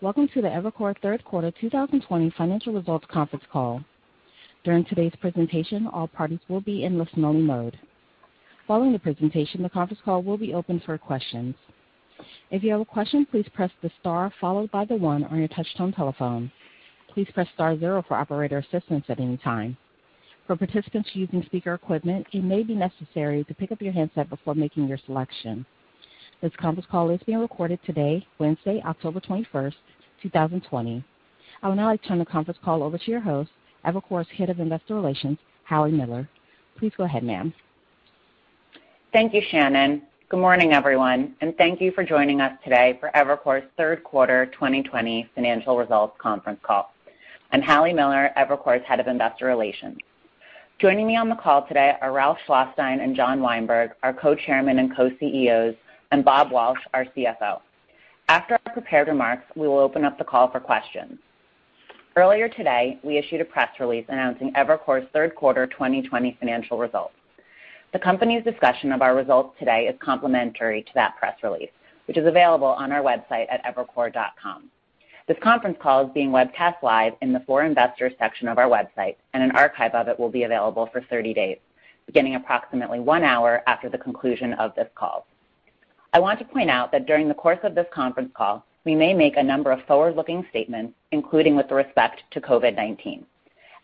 Welcome to the Evercore third quarter 2020 financial results conference call. During today's presentation all parties will be in a listen-only mode. Following presentation the the conference call will be open for questions. If you have a question please star followed one on your touchtone phone. Please press star zero for operators assistance at that time. Participants using speaker equipment it maybe necessary to pick up your handset before making the selection. This conference call is being recorded today, Wednesday, October 21st, 2020. I would now like to turn the conference call over to your host, Evercore's Head of Investor Relations, Hallie Miller. Please go ahead, ma'am. Thank you, Shannon. Good morning, everyone, and thank you for joining us today for Evercore's third quarter 2020 financial results conference call. I'm Hallie Miller, Evercore's Head of Investor Relations. Joining me on the call today are Ralph Schlosstein and John Weinberg, our Co-Chairmen and Co-CEOs, and Bob Walsh, our CFO. After our prepared remarks, we will open up the call for questions. Earlier today, we issued a press release announcing Evercore's third quarter 2020 financial results. The company's discussion of our results today is complementary to that press release, which is available on our website at evercore.com. This conference call is being webcast live in the For Investors section of our website, and an archive of it will be available for 30 days, beginning approximately one hour after the conclusion of this call. I want to point out that during the course of this conference call, we may make a number of forward-looking statements, including with respect to COVID-19.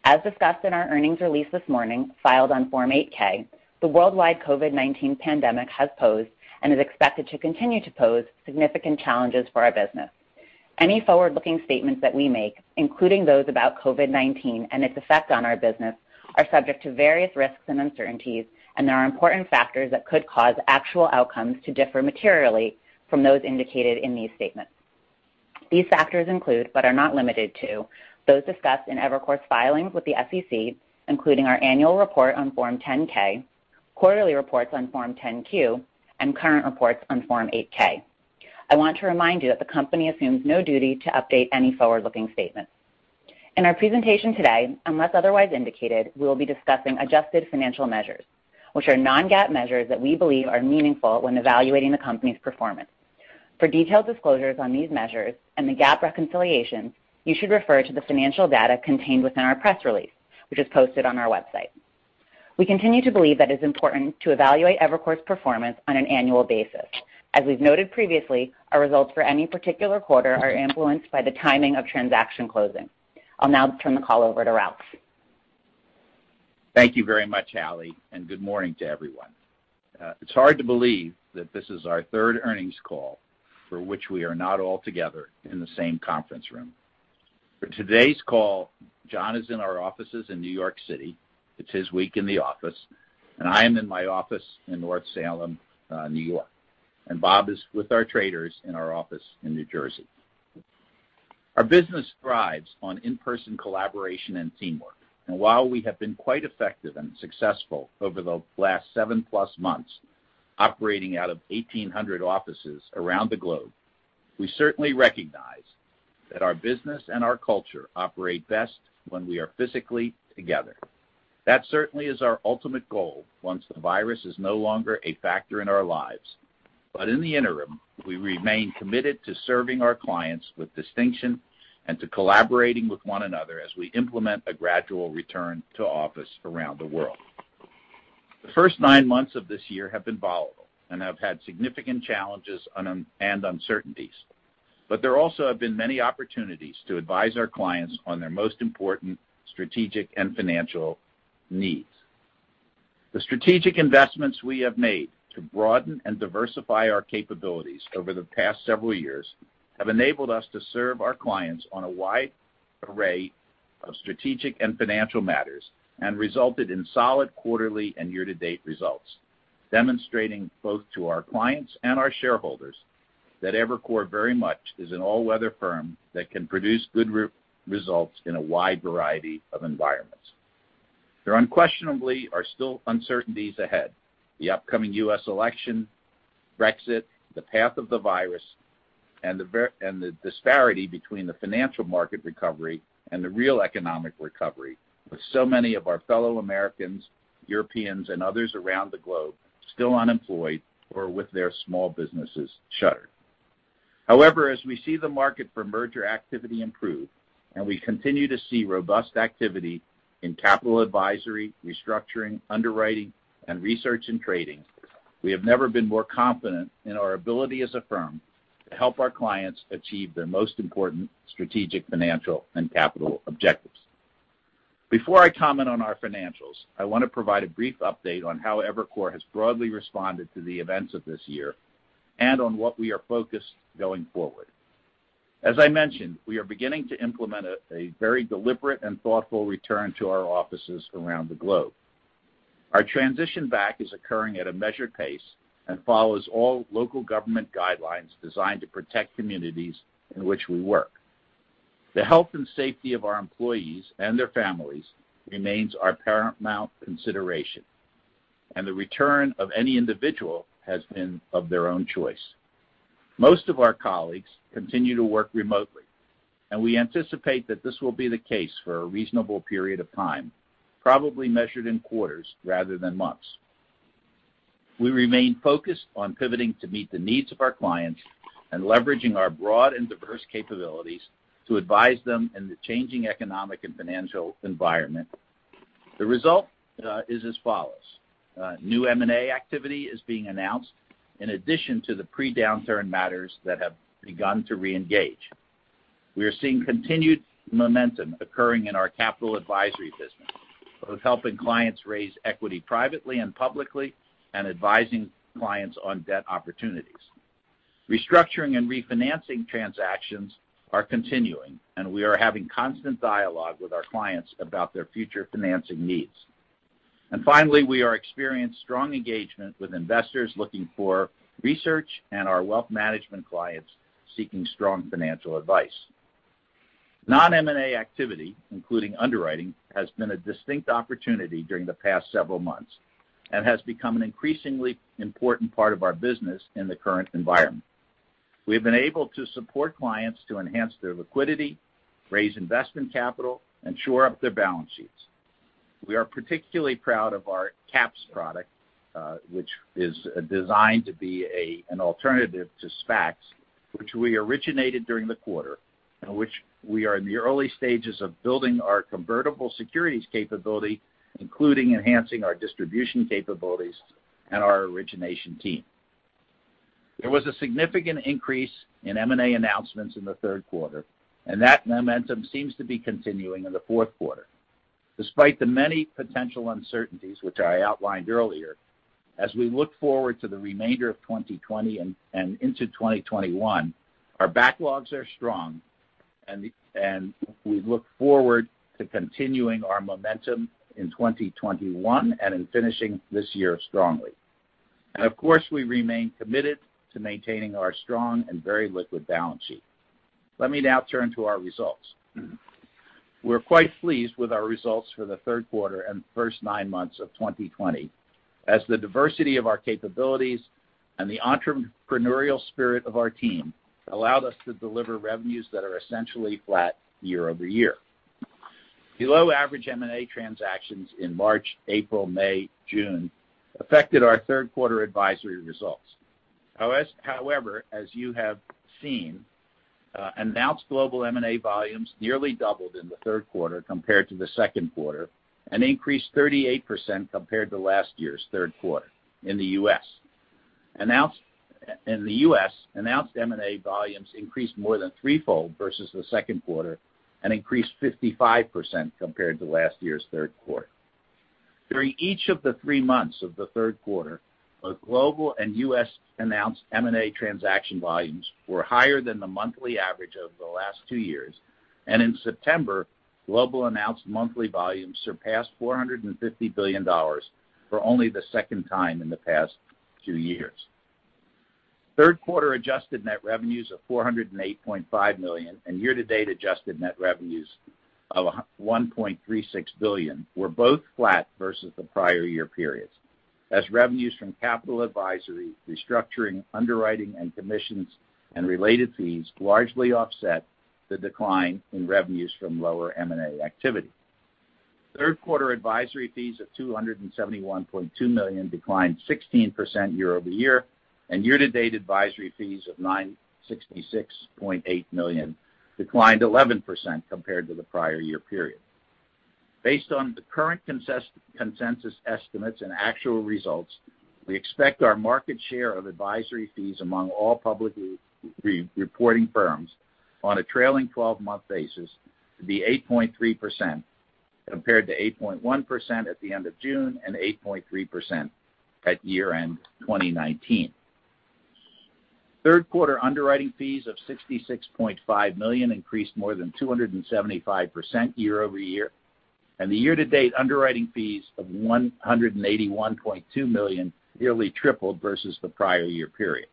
As discussed in our earnings release this morning, filed on Form 8-K, the worldwide COVID-19 pandemic has posed, and is expected to continue to pose, significant challenges for our business. Any forward-looking statements that we make, including those about COVID-19 and its effect on our business, are subject to various risks and uncertainties, and there are important factors that could cause actual outcomes to differ materially from those indicated in these statements. These factors include, but are not limited to, those discussed in Evercore's filings with the SEC, including our annual report on Form 10-K, quarterly reports on Form 10-Q, and current reports on Form 8-K. I want to remind you that the company assumes no duty to update any forward-looking statements. In our presentation today, unless otherwise indicated, we will be discussing adjusted financial measures, which are non-GAAP measures that we believe are meaningful when evaluating the company's performance. For detailed disclosures on these measures and the GAAP reconciliation, you should refer to the financial data contained within our press release, which is posted on our website. We continue to believe that it is important to evaluate Evercore's performance on an annual basis. As we've noted previously, our results for any particular quarter are influenced by the timing of transaction closing. I'll now turn the call over to Ralph. Thank you very much, Hallie, and good morning to everyone. It's hard to believe that this is our third earnings call for which we are not all together in the same conference room. For today's call, John is in our offices in New York City. It's his week in the office. I am in my office in North Salem, New York, and Bob is with our traders in our office in New Jersey. Our business thrives on in-person collaboration and teamwork, and while we have been quite effective and successful over the last 7+ months operating out of 1,800 offices around the globe, we certainly recognize that our business and our culture operate best when we are physically together. That certainly is our ultimate goal once the virus is no longer a factor in our lives. In the interim, we remain committed to serving our clients with distinction and to collaborating with one another as we implement a gradual return to office around the world. The first nine months of this year have been volatile and have had significant challenges and uncertainties. There also have been many opportunities to advise our clients on their most important strategic and financial needs. The strategic investments we have made to broaden and diversify our capabilities over the past several years have enabled us to serve our clients on a wide array of strategic and financial matters, and resulted in solid quarterly and year-to-date results, demonstrating both to our clients and our shareholders that Evercore very much is an all-weather firm that can produce good results in a wide variety of environments. There unquestionably are still uncertainties ahead. The upcoming U.S. election, Brexit, the path of the virus, and the disparity between the financial market recovery and the real economic recovery with so many of our fellow Americans, Europeans, and others around the globe still unemployed or with their small businesses shuttered. However, as we see the market for merger activity improve, and we continue to see robust activity in capital advisory, restructuring, underwriting, and research and trading, we have never been more confident in our ability as a firm to help our clients achieve their most important strategic, financial, and capital objectives. Before I comment on our financials, I want to provide a brief update on how Evercore has broadly responded to the events of this year and on what we are focused going forward. As I mentioned, we are beginning to implement a very deliberate and thoughtful return to our offices around the globe. Our transition back is occurring at a measured pace and follows all local government guidelines designed to protect communities in which we work. The health and safety of our employees and their families remains our paramount consideration, and the return of any individual has been of their own choice. Most of our colleagues continue to work remotely, and we anticipate that this will be the case for a reasonable period of time, probably measured in quarters rather than months. We remain focused on pivoting to meet the needs of our clients and leveraging our broad and diverse capabilities to advise them in the changing economic and financial environment. The result is as follows. New M&A activity is being announced in addition to the pre-downturn matters that have begun to reengage. We are seeing continued momentum occurring in our capital advisory business, both helping clients raise equity privately and publicly, and advising clients on debt opportunities. Restructuring and refinancing transactions are continuing, and we are having constant dialogue with our clients about their future financing needs. Finally, we are experiencing strong engagement with investors looking for research and our wealth management clients seeking strong financial advice. Non-M&A activity, including underwriting, has been a distinct opportunity during the past several months and has become an increasingly important part of our business in the current environment. We have been able to support clients to enhance their liquidity, raise investment capital, and shore up their balance sheets. We are particularly proud of our CAPS product, which is designed to be an alternative to SPACs, which we originated during the quarter, and which we are in the early stages of building our convertible securities capability, including enhancing our distribution capabilities and our origination team. There was a significant increase in M&A announcements in the third quarter, and that momentum seems to be continuing in the fourth quarter. Despite the many potential uncertainties, which I outlined earlier, as we look forward to the remainder of 2020 and into 2021, our backlogs are strong, and we look forward to continuing our momentum in 2021 and in finishing this year strongly. Of course, we remain committed to maintaining our strong and very liquid balance sheet. Let me now turn to our results. We're quite pleased with our results for the third quarter and first nine months of 2020 as the diversity of our capabilities and the entrepreneurial spirit of our team allowed us to deliver revenues that are essentially flat year-over-year. Below average M&A transactions in March, April, May, June, affected our third quarter advisory results. However, as you have seen, announced global M&A volumes nearly doubled in the third quarter compared to the second quarter and increased 38% compared to last year's third quarter. In the U.S., announced M&A volumes increased more than threefold versus the second quarter and increased 55% compared to last year's third quarter. During each of the three months of the third quarter, both global and U.S.-announced M&A transaction volumes were higher than the monthly average over the last two years. In September, global announced monthly volumes surpassed $450 billion for only the second time in the past two years. Third quarter adjusted net revenues of $408.5 million and year-to-date adjusted net revenues of $1.36 billion were both flat versus the prior year periods, as revenues from capital advisory, restructuring, underwriting, and commissions and related fees largely offset the decline in revenues from lower M&A activity. Third quarter advisory fees of $271.2 million declined 16% year-over-year, and year-to-date advisory fees of $966.8 million declined 11% compared to the prior year period. Based on the current consensus estimates and actual results, we expect our market share of advisory fees among all publicly reporting firms on a trailing 12-month basis to be 8.3%, compared to 8.1% at the end of June and 8.3% at year-end 2019. Third quarter underwriting fees of $66.5 million increased more than 275% year-over-year, and the year-to-date underwriting fees of $181.2 million nearly tripled versus the prior year period.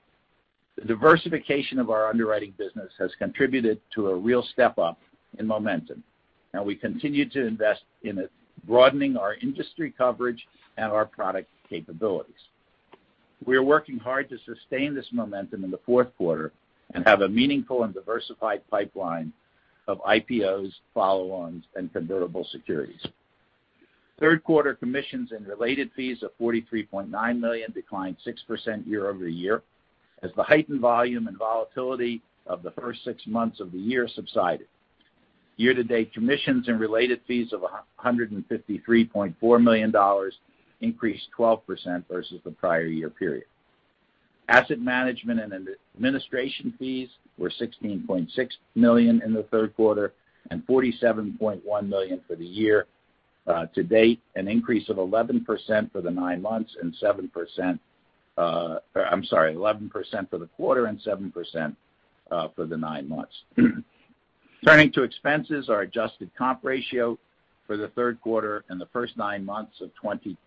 The diversification of our underwriting business has contributed to a real step-up in momentum, and we continue to invest in it, broadening our industry coverage and our product capabilities. We are working hard to sustain this momentum in the fourth quarter and have a meaningful and diversified pipeline of IPOs, follow-ons, and convertible securities. Third quarter commissions and related fees of $43.9 million declined 6% year-over-year as the heightened volume and volatility of the first six months of the year subsided. Year-to-date commissions and related fees of $153.4 million increased 12% versus the prior year period. Asset management and administration fees were $16.6 million in the third quarter and $47.1 million for the year-to-date, an increase of 11% for the quarter and 7% for the nine months. Turning to expenses, our adjusted comp ratio for the third quarter and the first nine months of 2020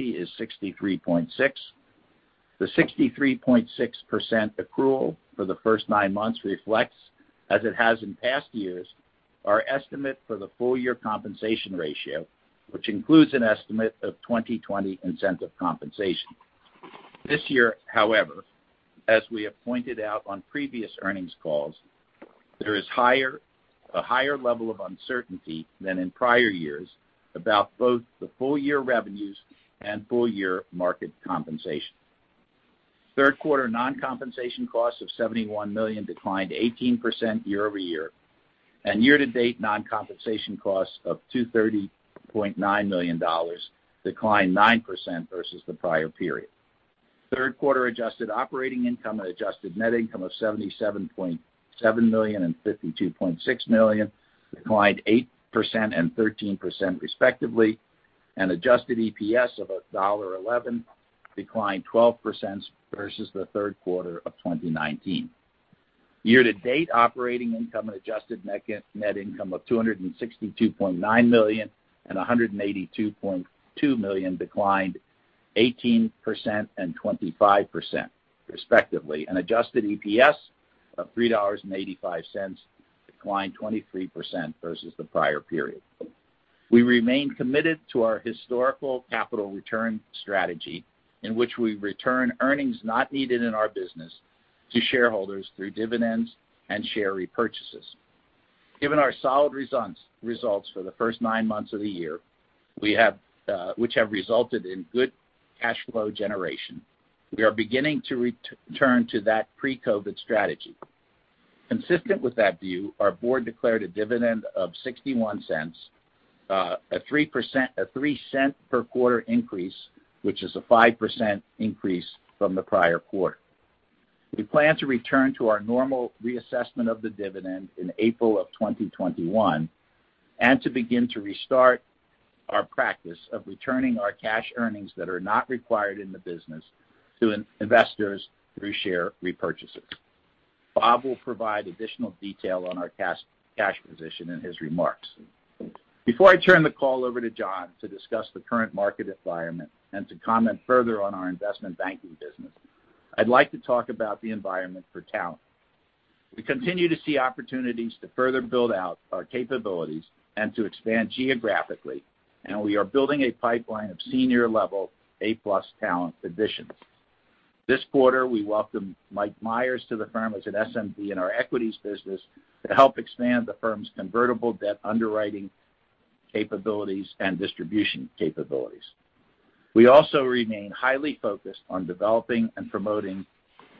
is 63.6%. The 63.6% accrual for the first nine months reflects, as it has in past years, our estimate for the full-year compensation ratio, which includes an estimate of 2020 incentive compensation. This year, however, as we have pointed out on previous earnings calls, there is a higher level of uncertainty than in prior years about both the full-year revenues and full-year market compensation. Third quarter non-compensation costs of $71 million declined 18% year-over-year, and year-to-date non-compensation costs of $230.9 million declined 9% versus the prior period. Third quarter adjusted operating income and adjusted net income of $77.7 million and $52.6 million declined 8% and 13%, respectively, and adjusted EPS of $1.11 declined 12% versus the third quarter of 2019. Year-to-date operating income and adjusted net income of $262.9 million and $182.2 million declined 18% and 25%, respectively, and adjusted EPS of $3.85 declined 23% versus the prior period. We remain committed to our historical capital return strategy, in which we return earnings not needed in our business to shareholders through dividends and share repurchases. Given our solid results for the first nine months of the year, which have resulted in good cash flow generation, we are beginning to return to that pre-COVID-19 strategy. Consistent with that view, our Board declared a dividend of $0.61, a $0.03 per quarter increase, which is a 5% increase from the prior quarter. We plan to return to our normal reassessment of the dividend in April of 2021, and to begin to restart our practice of returning our cash earnings that are not required in the business to investors through share repurchases. Bob will provide additional detail on our cash position in his remarks. Before I turn the call over to John to discuss the current market environment and to comment further on our investment banking business, I'd like to talk about the environment for talent. We continue to see opportunities to further build out our capabilities and to expand geographically, and we are building a pipeline of senior-level, A+ talent positions. This quarter, we welcome Mike Meyers to the firm as an SMD in our equities business to help expand the firm's convertible debt underwriting capabilities and distribution capabilities. We also remain highly focused on developing and promoting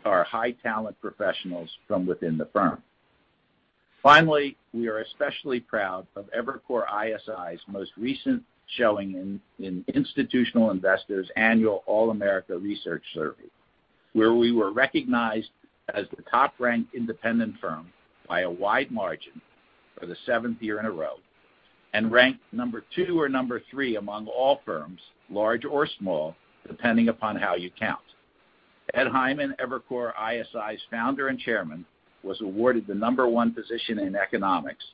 our high-talent professionals from within the firm. Finally, we are especially proud of Evercore ISI's most recent showing in Institutional Investor's annual All-America Research Team, where we were recognized as the top-ranked independent firm by a wide margin for the seventh year in a row and ranked number two or number three among all firms, large or small, depending upon how you count. Ed Hyman, Evercore ISI's Founder and Chairman, was awarded the number one position in economics,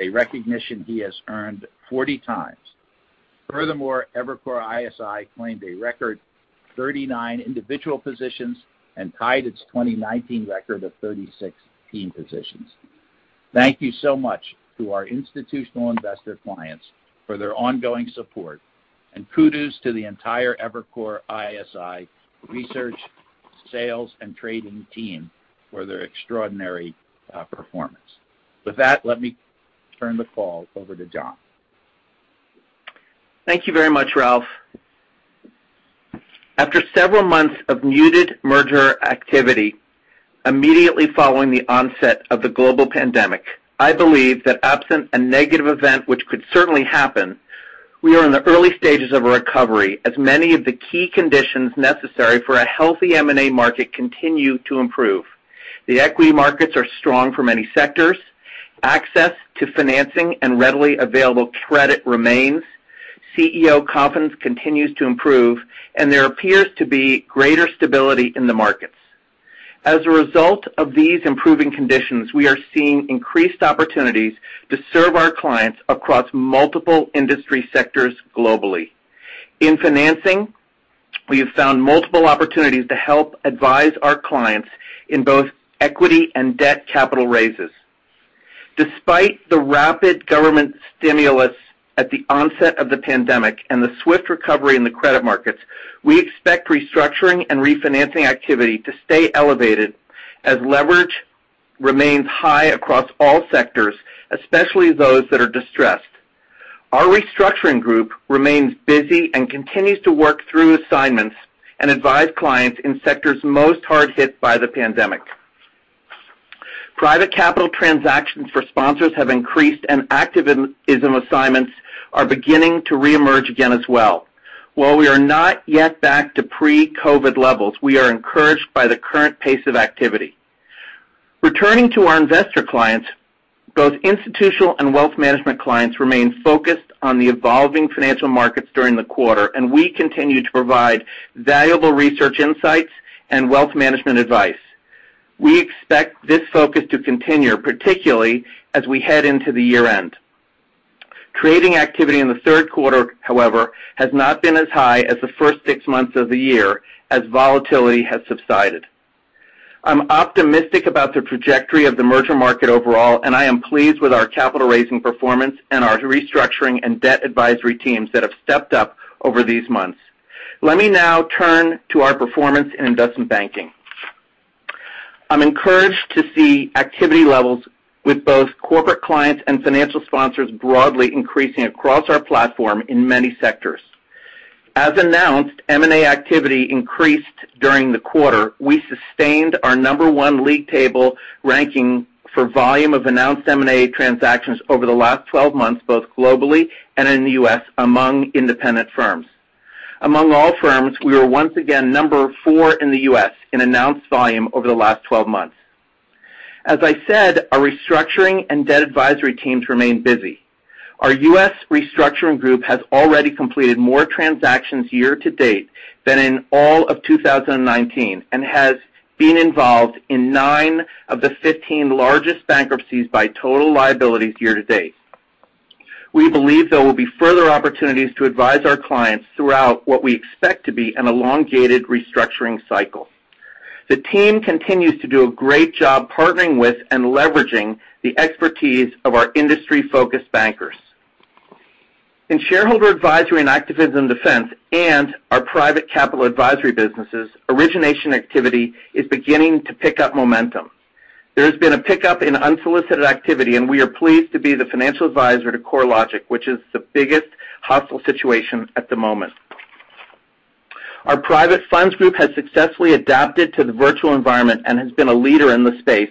a recognition he has earned 40 times. Furthermore, Evercore ISI claimed a record 39 individual positions and tied its 2019 record of 36 team positions. Thank you so much to our institutional investor clients for their ongoing support, and kudos to the entire Evercore ISI research, sales, and trading team for their extraordinary performance. With that, let me turn the call over to John. Thank you very much, Ralph. After several months of muted merger activity immediately following the onset of the global pandemic, I believe that absent a negative event, which could certainly happen, we are in the early stages of a recovery, as many of the key conditions necessary for a healthy M&A market continue to improve. The equity markets are strong for many sectors. Access to financing and readily available credit remains. CEO confidence continues to improve, and there appears to be greater stability in the markets. As a result of these improving conditions, we are seeing increased opportunities to serve our clients across multiple industry sectors globally. In financing, we have found multiple opportunities to help advise our clients in both equity and debt capital raises. Despite the rapid government stimulus at the onset of the pandemic and the swift recovery in the credit markets, we expect restructuring and refinancing activity to stay elevated as leverage remains high across all sectors, especially those that are distressed. Our restructuring group remains busy and continues to work through assignments and advise clients in sectors most hard hit by the pandemic. Private capital transactions for sponsors have increased, and activism assignments are beginning to reemerge again as well. While we are not yet back to pre-COVID levels, we are encouraged by the current pace of activity. Returning to our investor clients, both institutional and wealth management clients remained focused on the evolving financial markets during the quarter, and we continue to provide valuable research insights and wealth management advice. We expect this focus to continue, particularly as we head into the year-end. Trading activity in the third quarter, however, has not been as high as the first six months of the year, as volatility has subsided. I'm optimistic about the trajectory of the merger market overall, and I am pleased with our capital-raising performance and our restructuring and debt advisory teams that have stepped up over these months. Let me now turn to our performance in investment banking. I'm encouraged to see activity levels with both corporate clients and financial sponsors broadly increasing across our platform in many sectors. As announced, M&A activity increased during the quarter. We sustained our number one league table ranking for volume of announced M&A transactions over the last 12 months, both globally and in the U.S., among independent firms. Among all firms, we were once again number four in the U.S. in announced volume over the last 12 months. As I said, our restructuring and debt advisory teams remain busy. Our U.S. restructuring group has already completed more transactions year-to-date than in all of 2019 and has been involved in nine of the 15 largest bankruptcies by total liabilities year-to-date. We believe there will be further opportunities to advise our clients throughout what we expect to be an elongated restructuring cycle. The team continues to do a great job partnering with and leveraging the expertise of our industry-focused bankers. In shareholder advisory and activism defense and our private capital advisory businesses, origination activity is beginning to pick up momentum. There has been a pickup in unsolicited activity, and we are pleased to be the financial advisor to CoreLogic, which is the biggest hostile situation at the moment. Our private funds group has successfully adapted to the virtual environment and has been a leader in the space,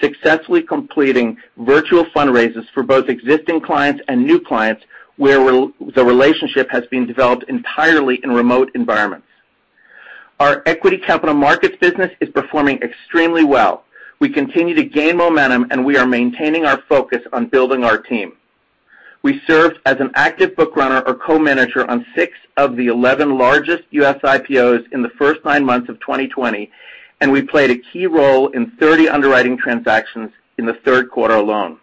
successfully completing virtual fundraisers for both existing clients and new clients, where the relationship has been developed entirely in remote environments. Our equity capital markets business is performing extremely well. We continue to gain momentum, and we are maintaining our focus on building our team. We served as an active book runner or co-manager on six of the 11 largest U.S. IPOs in the first nine months of 2020, and we played a key role in 30 underwriting transactions in the third quarter alone.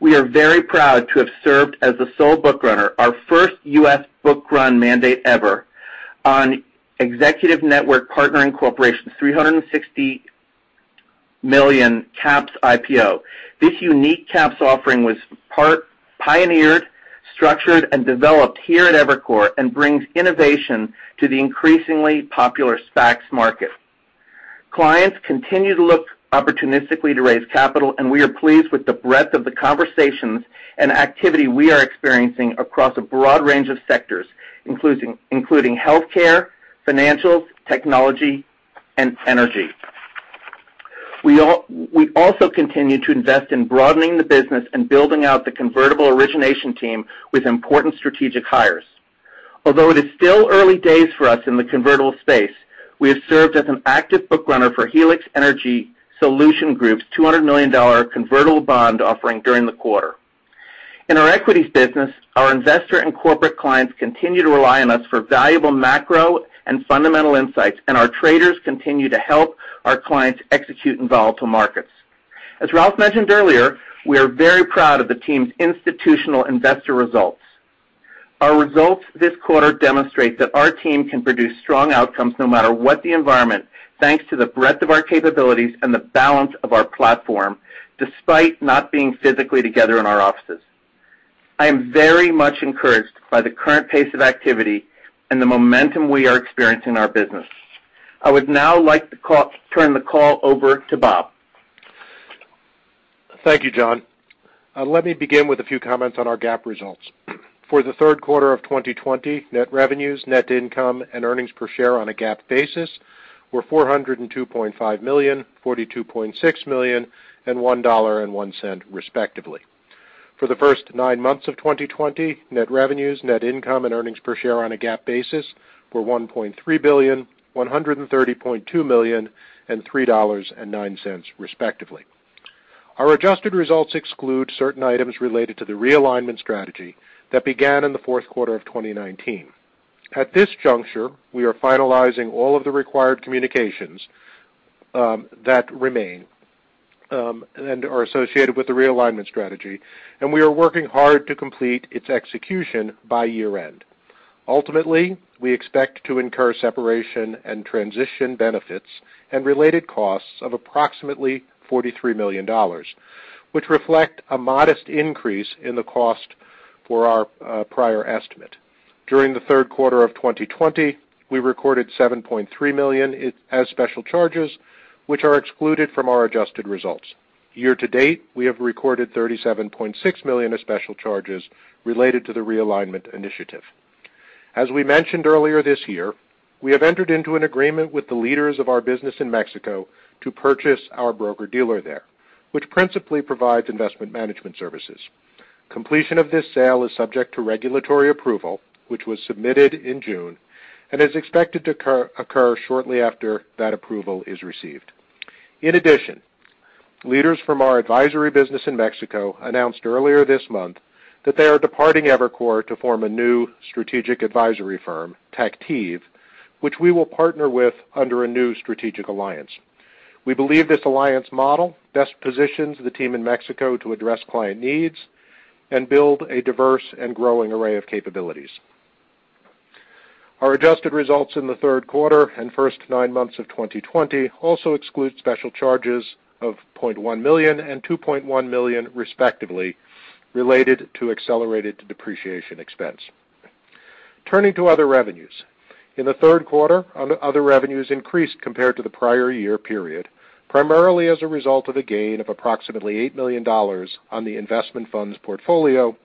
We are very proud to have served as the sole book runner, our first U.S. book run mandate ever on Executive Network Partnering Corporation's $360 million CAPS IPO. This unique CAPS offering was part pioneered, structured, and developed here at Evercore and brings innovation to the increasingly popular SPACs market. Clients continue to look opportunistically to raise capital, and we are pleased with the breadth of the conversations and activity we are experiencing across a broad range of sectors, including healthcare, financials, technology, and energy. We also continue to invest in broadening the business and building out the convertible origination team with important strategic hires. Although it is still early days for us in the convertible space, we have served as an active book runner for Helix Energy Solutions Group's $200 million convertible bond offering during the quarter. In our equities business, our investor and corporate clients continue to rely on us for valuable macro and fundamental insights, and our traders continue to help our clients execute in volatile markets. As Ralph mentioned earlier, we are very proud of the team's Institutional Investor results. Our results this quarter demonstrate that our team can produce strong outcomes no matter what the environment, thanks to the breadth of our capabilities and the balance of our platform, despite not being physically together in our offices. I am very much encouraged by the current pace of activity and the momentum we are experiencing in our business. I would now like to turn the call over to Bob. Thank you, John. Let me begin with a few comments on our GAAP results. For the third quarter of 2020, net revenues, net income, and earnings per share on a GAAP basis were $402.5 million, $42.6 million, and $1.01 respectively. For the first nine months of 2020, net revenues, net income, and earnings per share on a GAAP basis were $1.3 billion, $130.2 million, and $3.09 respectively. Our adjusted results exclude certain items related to the Realignment Strategy that began in the fourth quarter of 2019. At this juncture, we are finalizing all of the required communications that remain and are associated with the Realignment Strategy, and we are working hard to complete its execution by year-end. Ultimately, we expect to incur separation and transition benefits and related costs of approximately $43 million, which reflect a modest increase in the cost for our prior estimate. During the third quarter of 2020, we recorded $7.3 million as special charges, which are excluded from our adjusted results. Year-to-date, we have recorded $37.6 million of special charges related to the realignment initiative. As we mentioned earlier this year, we have entered into an agreement with the leaders of our business in Mexico to purchase our broker-dealer there, which principally provides investment management services. Completion of this sale is subject to regulatory approval, which was submitted in June and is expected to occur shortly after that approval is received. In addition, leaders from our advisory business in Mexico announced earlier this month that they are departing Evercore to form a new strategic advisory firm, TACTIV, which we will partner with under a new strategic alliance. We believe this alliance model best positions the team in Mexico to address client needs and build a diverse and growing array of capabilities. Our adjusted results in the third quarter and first nine months of 2020 also exclude special charges of $0.1 million and $2.1 million, respectively, related to accelerated depreciation expense. Turning to other revenues. In the third quarter, other revenues increased compared to the prior year period, primarily as a result of a gain of approximately $8 million on the investment funds portfolio,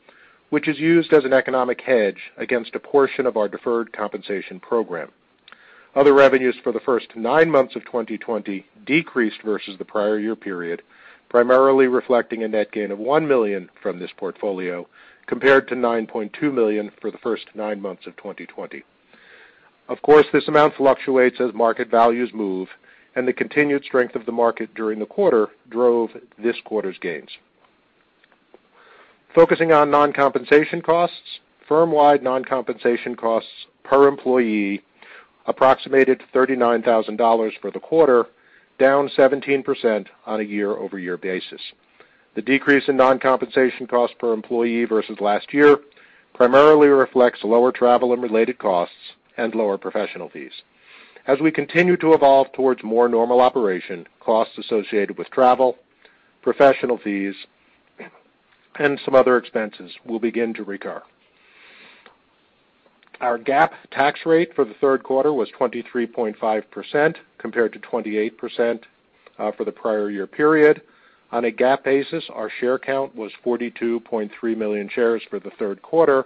which is used as an economic hedge against a portion of our deferred compensation program. Other revenues for the first nine months of 2020 decreased versus the prior year period, primarily reflecting a net gain of $1 million from this portfolio, compared to $9.2 million for the first nine months of 2020. Of course, this amount fluctuates as market values move, and the continued strength of the market during the quarter drove this quarter's gains. Focusing on non-compensation costs, firm-wide non-compensation costs per employee approximated $39,000 for the quarter, down 17% on a year-over-year basis. The decrease in non-compensation cost per employee versus last year primarily reflects lower travel and related costs and lower professional fees. As we continue to evolve towards more normal operation, costs associated with travel, professional fees, and some other expenses will begin to recur. Our GAAP tax rate for the third quarter was 23.5% compared to 28% for the prior year period. On a GAAP basis, our share count was 42.3 million shares for the third quarter.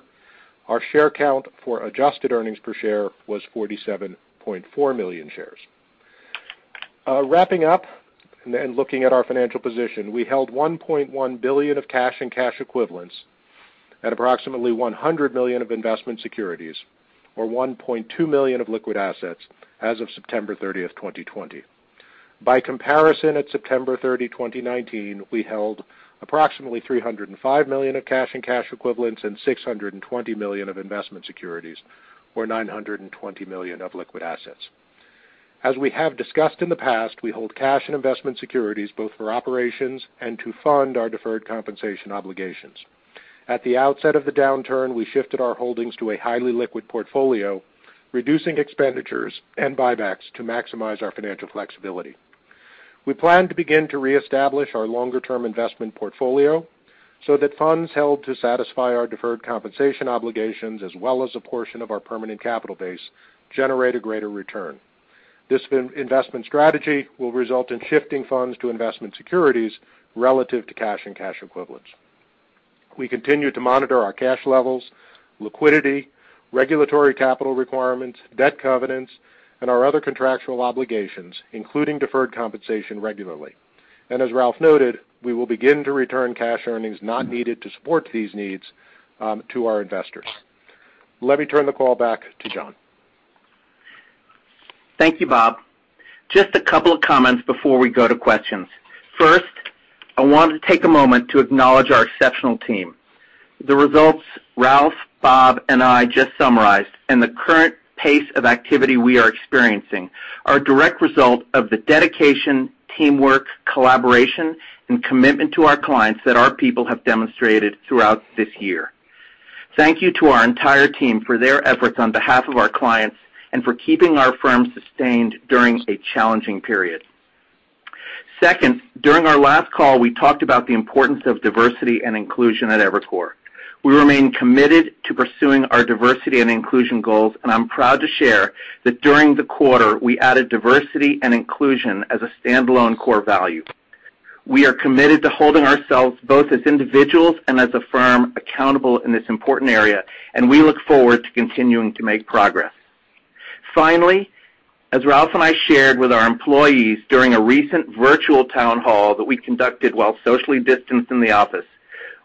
Our share count for adjusted earnings per share was 47.4 million shares. Wrapping up and looking at our financial position, we held $1.1 billion of cash and cash equivalents and approximately $100 million of investment securities, or $1.2 million of liquid assets as of September 30th, 2020. By comparison, at September 30, 2019, we held approximately $305 million of cash and cash equivalents and $620 million of investment securities, or $920 million of liquid assets. As we have discussed in the past, we hold cash and investment securities both for operations and to fund our deferred compensation obligations. At the outset of the downturn, we shifted our holdings to a highly liquid portfolio, reducing expenditures and buybacks to maximize our financial flexibility. We plan to begin to reestablish our longer-term investment portfolio so that funds held to satisfy our deferred compensation obligations, as well as a portion of our permanent capital base, generate a greater return. This investment strategy will result in shifting funds to investment securities relative to cash and cash equivalents. We continue to monitor our cash levels, liquidity, regulatory capital requirements, debt covenants, and our other contractual obligations, including deferred compensation regularly. As Ralph noted, we will begin to return cash earnings not needed to support these needs to our investors. Let me turn the call back to John. Thank you, Bob. Just a couple of comments before we go to questions. First, I wanted to take a moment to acknowledge our exceptional team. The results Ralph, Bob, and I just summarized and the current pace of activity we are experiencing are a direct result of the dedication, teamwork, collaboration, and commitment to our clients that our people have demonstrated throughout this year. Thank you to our entire team for their efforts on behalf of our clients and for keeping our firm sustained during a challenging period. Second, during our last call, we talked about the importance of diversity and inclusion at Evercore. We remain committed to pursuing our diversity and inclusion goals, and I'm proud to share that during the quarter, we added diversity and inclusion as a standalone core value. We are committed to holding ourselves, both as individuals and as a firm, accountable in this important area, and we look forward to continuing to make progress. As Ralph and I shared with our employees during a recent virtual town hall that we conducted while socially distanced in the office,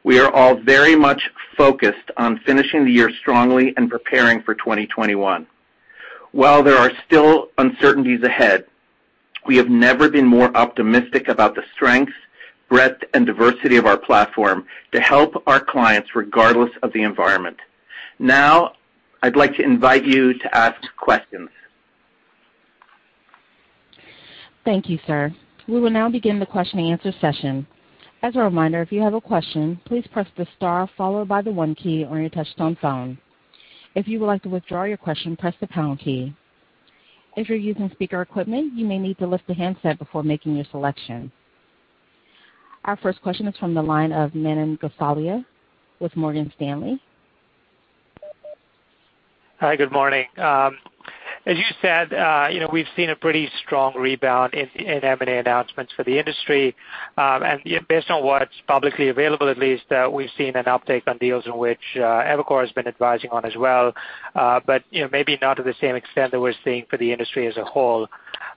we are all very much focused on finishing the year strongly and preparing for 2021. While there are still uncertainties ahead, we have never been more optimistic about the strength, breadth, and diversity of our platform to help our clients, regardless of the environment. I'd like to invite you to ask questions. Thank you, sir. We will now begin the question-and-answer session. As a reminder if you have a question please press star followed by the one key on your touchtone phone. If you would like to withdraw your question press the pound key. If you are using speaker equipment you may need to lift up the handset before making the selection. Our first question is from the line of Manan Gosalia with Morgan Stanley. Hi, good morning. As you said, we've seen a pretty strong rebound in M&A announcements for the industry. Based on what's publicly available at least, we've seen an uptick on deals in which Evercore has been advising on as well. Maybe not to the same extent that we're seeing for the industry as a whole.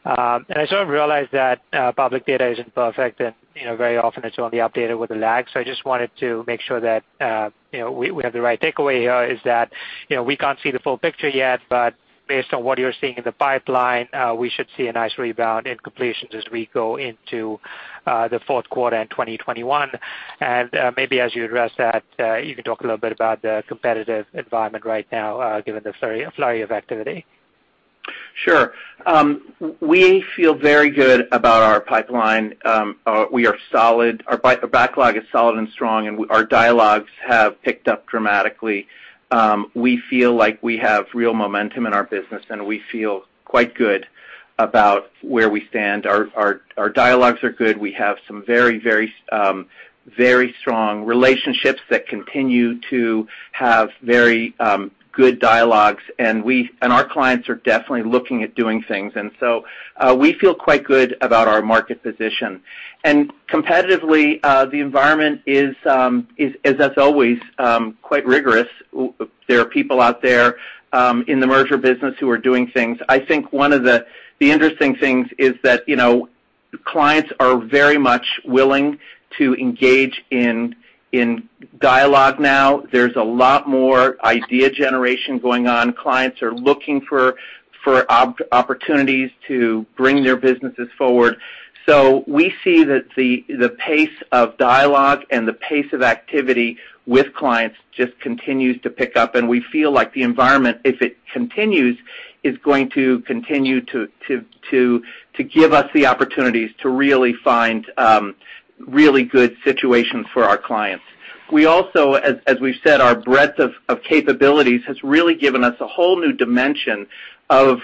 I sort of realize that public data isn't perfect, and very often it's only updated with a lag. I just wanted to make sure that we have the right takeaway here is that we can't see the full picture yet, but based on what you're seeing in the pipeline, we should see a nice rebound in completions as we go into the fourth quarter in 2021. Maybe as you address that, you can talk a little bit about the competitive environment right now given the flurry of activity. Sure. We feel very good about our pipeline. We are solid. Our backlog is solid and strong, and our dialogues have picked up dramatically. We feel like we have real momentum in our business, and we feel quite good about where we stand. Our dialogues are good. We have some very strong relationships that continue to have very good dialogues, and our clients are definitely looking at doing things. We feel quite good about our market position. Competitively, the environment is, as always, quite rigorous. There are people out there in the merger business who are doing things. I think one of the interesting things is that clients are very much willing to engage in dialogue now. There's a lot more idea generation going on. Clients are looking for opportunities to bring their businesses forward. We see that the pace of dialogue and the pace of activity with clients just continues to pick up, and we feel like the environment, if it continues, is going to continue to give us the opportunities to really find really good situations for our clients. We also, as we've said, our breadth of capabilities has really given us a whole new dimension of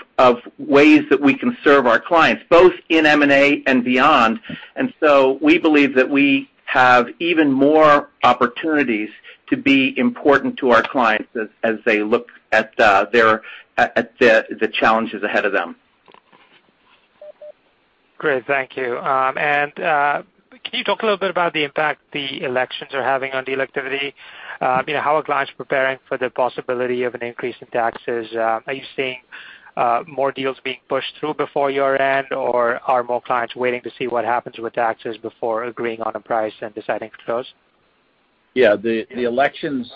ways that we can serve our clients, both in M&A and beyond. And so we believe that we have even more opportunities to be important to our clients as they look at the challenges ahead of them. Great. Thank you. Can you talk a little bit about the impact the elections are having on deal activity? How are clients preparing for the possibility of an increase in taxes? Are you seeing more deals being pushed through before year-end, or are more clients waiting to see what happens with taxes before agreeing on a price and deciding to close? Yeah. The elections,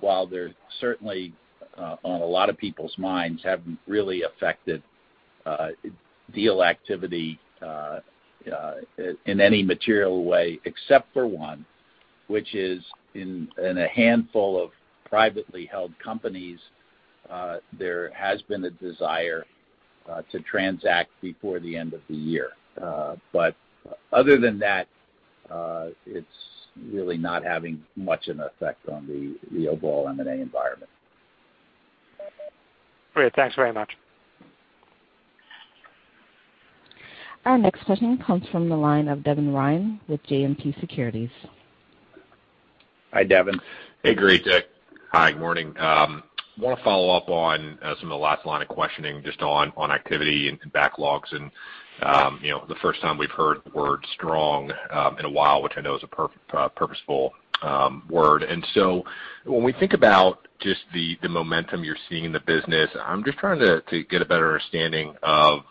while they're certainly on a lot of people's minds, haven't really affected deal activity in any material way, except for one, which is in a handful of privately held companies, there has been a desire to transact before the end of the year. Other than that, it's really not having much of an effect on the overall M&A environment. Great. Thanks very much. Our next question comes from the line of Devin Ryan with JMP Securities. Hi, Devin. Hey, great. Hi, good morning. I want to follow up on some of the last line of questioning just on activity and backlogs- Yeah. ...the first time we've heard the word strong in a while, which I know is a purposeful word. When we think about just the momentum you're seeing in the business, I'm just trying to get a better understanding of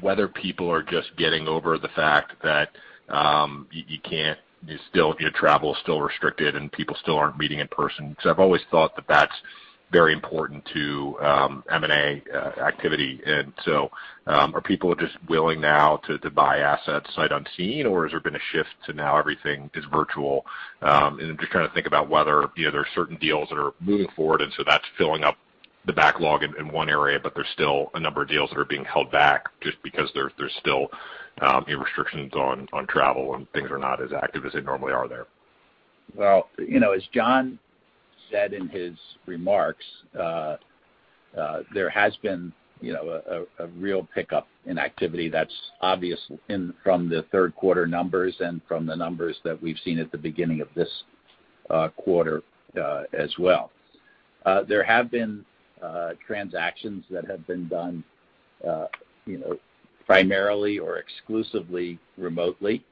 whether people are just getting over the fact that travel is still restricted and people still aren't meeting in person. Because I've always thought that that's very important to M&A activity. Are people just willing now to buy assets sight unseen, or has there been a shift to now everything is virtual? Just trying to think about whether there are certain deals that are moving forward, and so that's filling up the backlog in one area, but there's still a number of deals that are being held back just because there's still restrictions on travel and things are not as active as they normally are there. Well, as John said in his remarks, there has been a real pickup in activity that's obvious from the third quarter numbers and from the numbers that we've seen at the beginning of this quarter as well. There have been transactions that have been done primarily or exclusively remotely.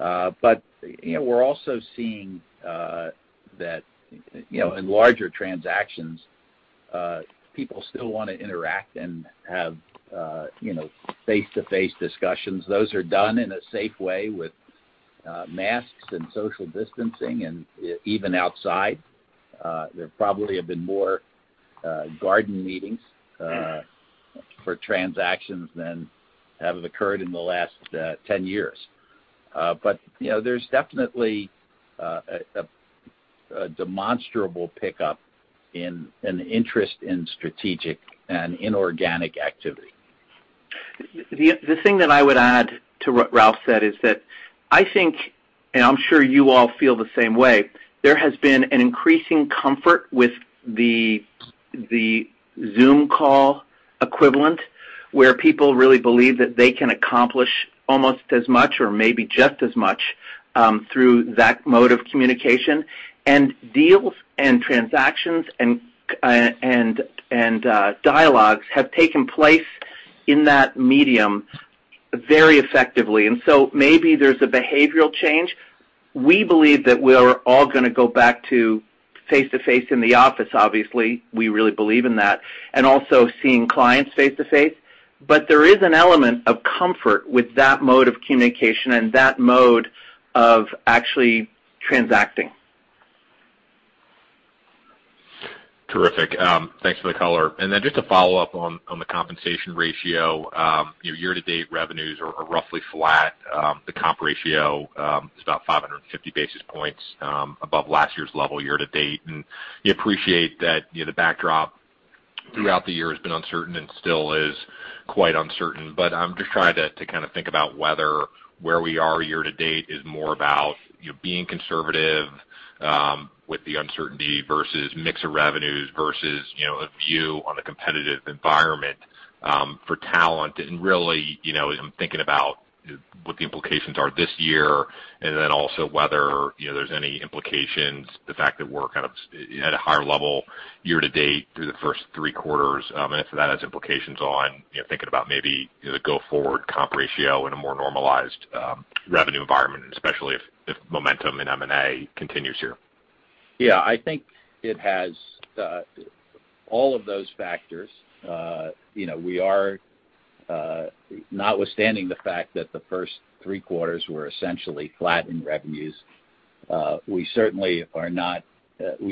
We're also seeing that in larger transactions, people still want to interact and have face-to-face discussions. Those are done in a safe way with masks and social distancing, and even outside. There probably have been more garden meetings for transactions than have occurred in the last 10 years. There's definitely a demonstrable pickup in interest in strategic and inorganic activity. The thing that I would add to what Ralph said is that I think, and I'm sure you all feel the same way, there has been an increasing comfort with the Zoom call equivalent, where people really believe that they can accomplish almost as much or maybe just as much through that mode of communication. Deals and transactions and dialogues have taken place in that medium very effectively. Maybe there's a behavioral change. We believe that we're all going to go back to face-to-face in the office, obviously. We really believe in that. Also seeing clients face-to-face. There is an element of comfort with that mode of communication and that mode of actually transacting. Terrific. Thanks for the color. Just to follow up on the compensation ratio. Year-to-date revenues are roughly flat. The comp ratio is about 550 basis points above last year's level year-to-date. You appreciate that the backdrop throughout the year has been uncertain and still is quite uncertain. I'm just trying to think about whether where we are year-to-date is more about being conservative with the uncertainty versus mix of revenues versus a view on the competitive environment for talent. Really, I'm thinking about what the implications are this year, and then also whether there's any implications, the fact that we're at a higher level year-to-date through the first three quarters, and if that has implications on thinking about maybe the go-forward comp ratio in a more normalized revenue environment, especially if momentum in M&A continues here. Yeah. I think it has all of those factors. Notwithstanding the fact that the first three quarters were essentially flat in revenues, we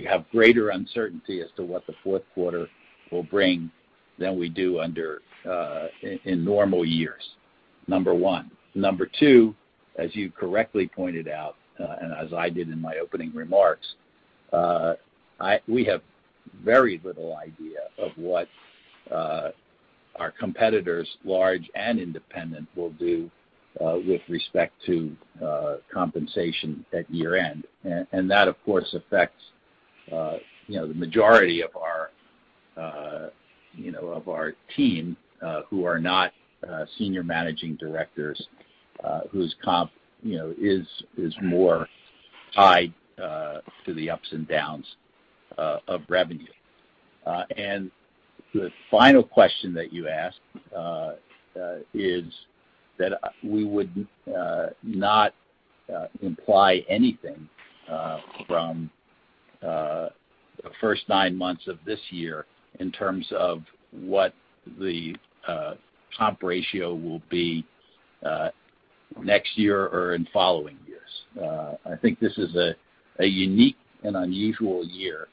have greater uncertainty as to what the fourth quarter will bring than we do in normal years, number one. Number two, as you correctly pointed out, and as I did in my opening remarks, we have very little idea of what our competitors, large and independent, will do with respect to compensation at year-end. That, of course, affects the majority of our team who are not Senior Managing Directors, whose comp is more tied to the ups and downs of revenue. The final question that you asked is that we would not imply anything from the first nine months of this year in terms of what the comp ratio will be next year or in following years. I think this is a unique and unusual year.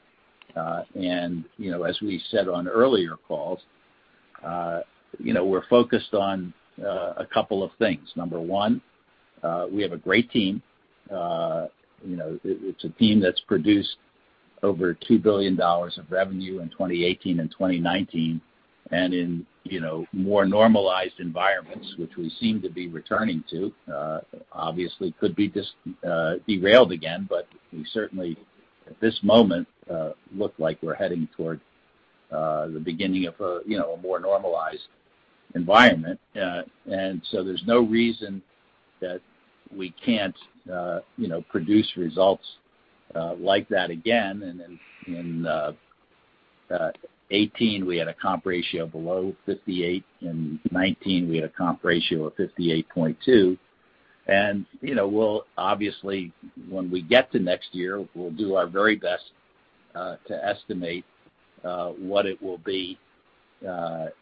As we said on earlier calls, we're focused on a couple of things. Number one, we have a great team. It's a team that's produced over $2 billion of revenue in 2018 and 2019, and in more normalized environments, which we seem to be returning to. Obviously, could be derailed again, but we certainly, at this moment, look like we're heading toward the beginning of a more normalized environment. So there's no reason that we can't produce results like that again. In 2018, we had a comp ratio below 58%. In 2019, we had a comp ratio of 58.2%. Obviously, when we get to next year, we'll do our very best to estimate what it will be for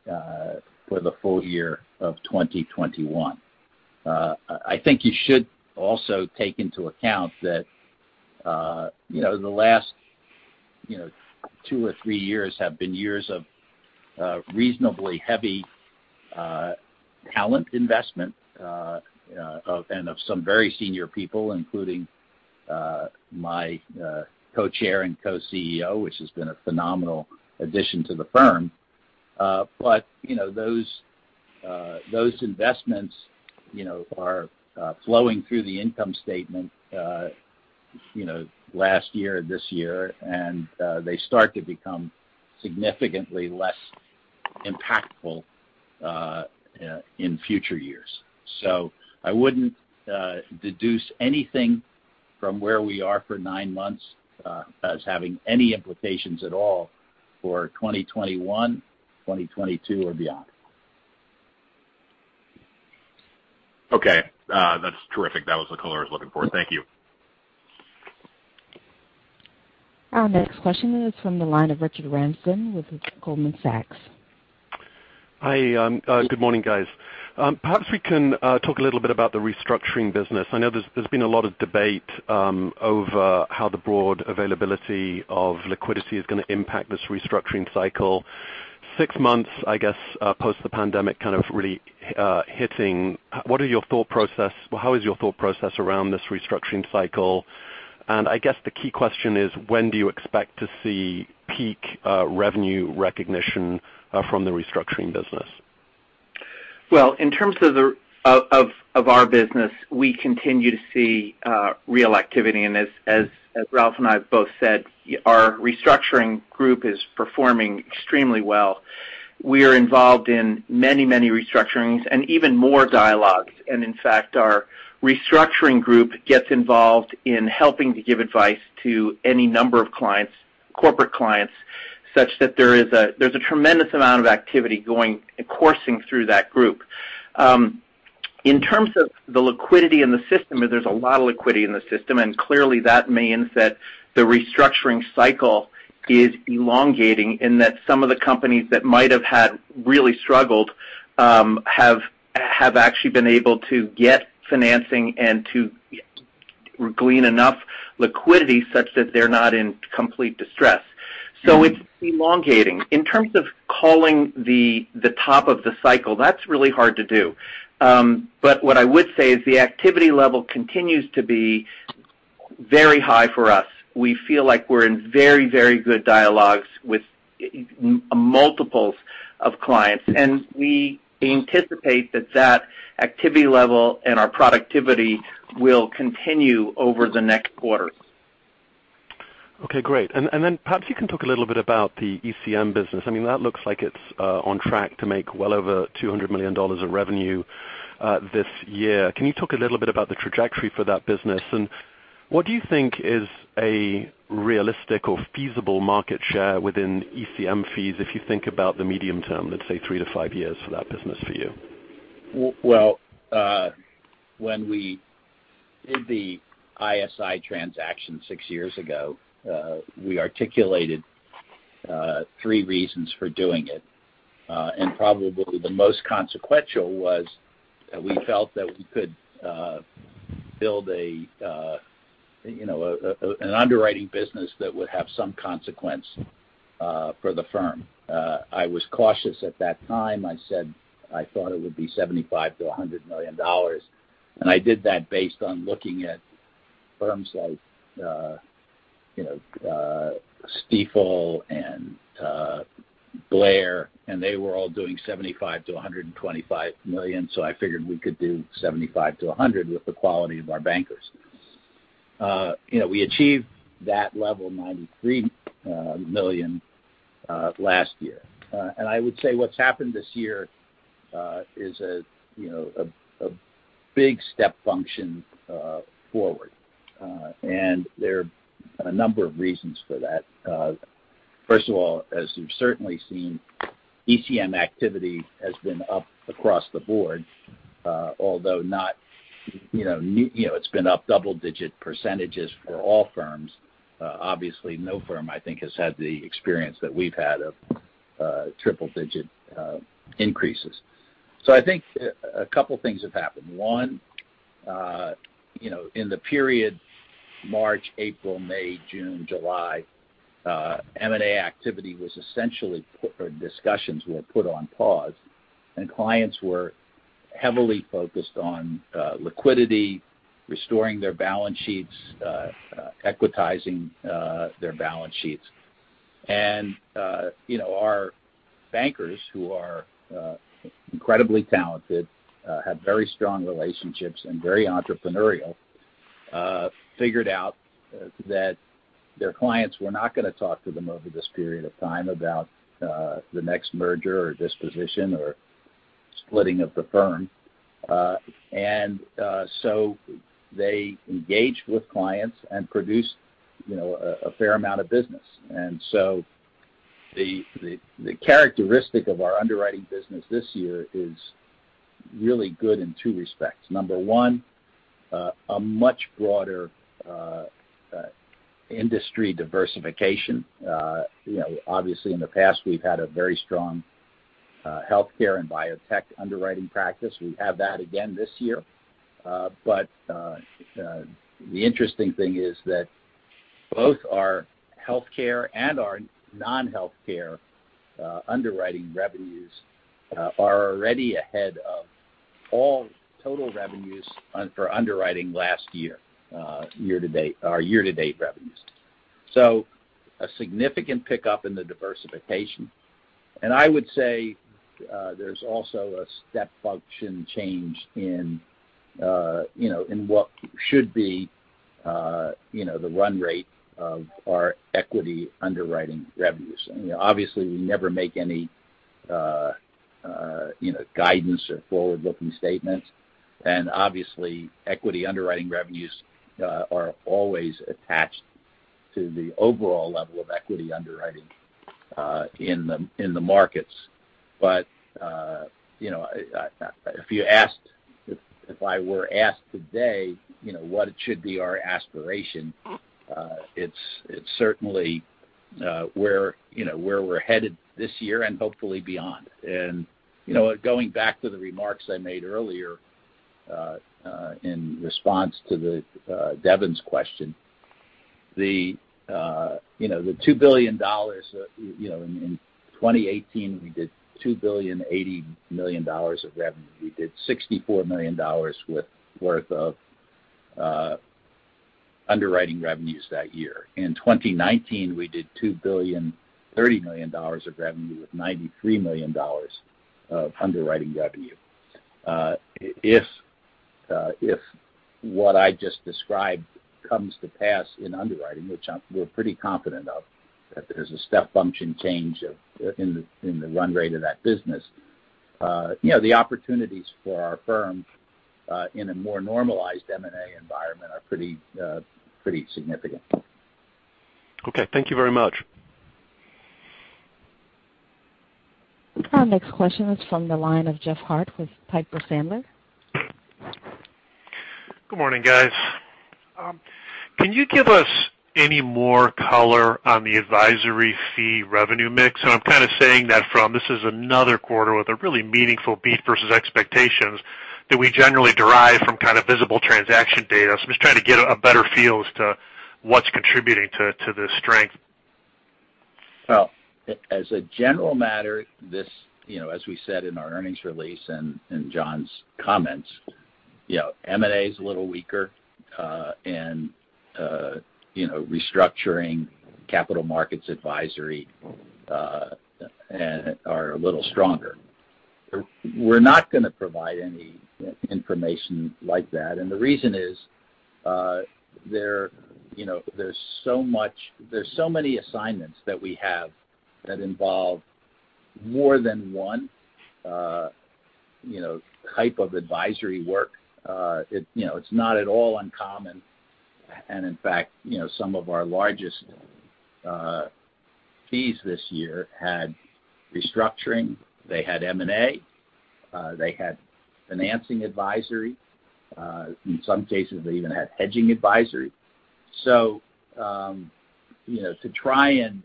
the full year of 2021. I think you should also take into account that the last two or three years have been years of reasonably heavy talent investment, and of some very senior people, including my Co-Chair and Co-CEO, which has been a phenomenal addition to the firm. Those investments are flowing through the income statement last year and this year, and they start to become significantly less impactful in future years. I wouldn't deduce anything from where we are for nine months as having any implications at all for 2021, 2022, or beyond. Okay. That's terrific. That was the color I was looking for. Thank you. Our next question is from the line of Richard Ramsden with Goldman Sachs. Hi, good morning, guys. Perhaps we can talk a little bit about the restructuring business. I know there's been a lot of debate over how the broad availability of liquidity is going to impact this restructuring cycle. six months, I guess, post the pandemic kind of really hitting, how is your thought process around this restructuring cycle? I guess the key question is, when do you expect to see peak revenue recognition from the restructuring business? Well, in terms of our business, we continue to see real activity, and as Ralph and I have both said, our restructuring group is performing extremely well. We are involved in many restructurings and even more dialogues. In fact, our restructuring group gets involved in helping to give advice to any number of corporate clients, such that there's a tremendous amount of activity coursing through that group. In terms of the liquidity in the system, there's a lot of liquidity in the system, and clearly that means that the restructuring cycle is elongating in that some of the companies that might have had really struggled have actually been able to get financing and to glean enough liquidity such that they're not in complete distress. It's elongating. In terms of calling the top of the cycle, that's really hard to do. What I would say is the activity level continues to be very high for us. We feel like we're in very good dialogues with multiples of clients, and we anticipate that activity level and our productivity will continue over the next quarter. Okay, great. Perhaps you can talk a little bit about the ECM business. That looks like it's on track to make well over $200 million of revenue this year. Can you talk a little bit about the trajectory for that business, and what do you think is a realistic or feasible market share within ECM fees if you think about the medium term, let's say three to five years for that business for you? Well, when we did the ISI transaction six years ago, we articulated three reasons for doing it. Probably the most consequential was that we felt that we could build an underwriting business that would have some consequence for the firm. I was cautious at that time. I said I thought it would be $75 million-$100 million. I did that based on looking at firms like Stifel and Blair, and they were all doing $75 million-$125 million, so I figured we could do $75-$100 with the quality of our bankers. We achieved that level, $93 million, last year. I would say what's happened this year is a big step function forward. There are a number of reasons for that. First of all, as you've certainly seen, ECM activity has been up across the board. Although it's been up double-digit percentages for all firms, obviously no firm, I think, has had the experience that we've had of triple-digit increases. I think a couple of things have happened. One, in the period March, April, May, June, July, M&A activity was essentially, discussions were put on pause, and clients were heavily focused on liquidity, restoring their balance sheets, equitizing their balance sheets. Our bankers, who are incredibly talented, have very strong relationships, and very entrepreneurial, figured out that their clients were not going to talk to them over this period of time about the next merger or disposition or splitting of the firm. They engaged with clients and produced a fair amount of business. The characteristic of our underwriting business this year is really good in two respects. Number one, a much broader industry diversification. Obviously, in the past, we've had a very strong healthcare and biotech underwriting practice. We have that again this year. The interesting thing is that both our healthcare and our non-healthcare underwriting revenues are already ahead of all total revenues for underwriting last year, our year-to-date revenues. A significant pickup in the diversification. I would say there's also a step function change in what should be the run rate of our equity underwriting revenues. Obviously, we never make any guidance or forward-looking statements, and obviously equity underwriting revenues are always attached to the overall level of equity underwriting in the markets. If I were asked today what should be our aspiration, it's certainly where we're headed this year and hopefully beyond. Going back to the remarks I made earlier in response to Devin's question, the $2 billion in 2018, we did $2 billion, $80 million of revenue. We did $64 million worth of underwriting revenues that year. In 2019, we did $2 billion, $30 million of revenue with $93 million of underwriting revenue. If what I just described comes to pass in underwriting, which we're pretty confident of, that there's a step function change in the run rate of that business, the opportunities for our firm in a more normalized M&A environment are pretty significant. Okay. Thank you very much. Our next question is from the line of Jeff Harte with Piper Sandler. Good morning, guys. Can you give us any more color on the advisory fee revenue mix? This is another quarter with a really meaningful beat versus expectations that we generally derive from kind of visible transaction data. I'm just trying to get a better feel as to what's contributing to the strength. Well, as a general matter, as we said in our earnings release and John's comments, M&A is a little weaker, and restructuring capital markets advisory are a little stronger. We're not going to provide any information like that, and the reason is there's so many assignments that we have that involve more than one type of advisory work. It's not at all uncommon, and in fact, some of our largest fees this year had restructuring. They had M&A. They had financing advisory. In some cases, they even had hedging advisory. To try and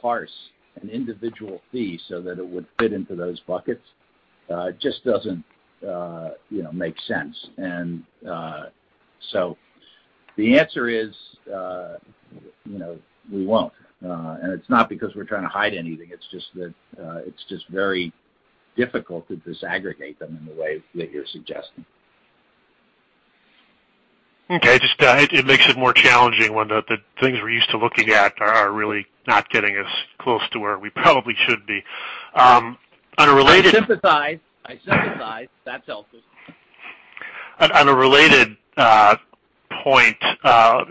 parse an individual fee so that it would fit into those buckets just doesn't make sense. The answer is, we won't. It's not because we're trying to hide anything, it's just very difficult to disaggregate them in the way that you're suggesting. Okay. It makes it more challenging when the things we're used to looking at are really not getting us close to where we probably should be. I sympathize. That's helpful. On a related point,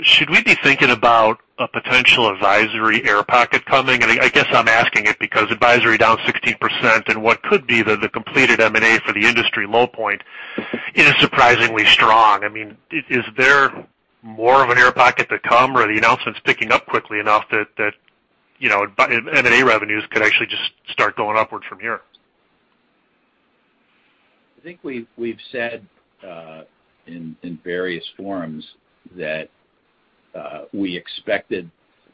should we be thinking about a potential advisory air pocket coming? I guess I'm asking it because advisory down 16% and what could be the completed M&A for the industry low point is surprisingly strong. Is there more of an air pocket to come, or are the announcements picking up quickly enough that M&A revenues could actually just start going upwards from here? I think we've said in various forums that we expected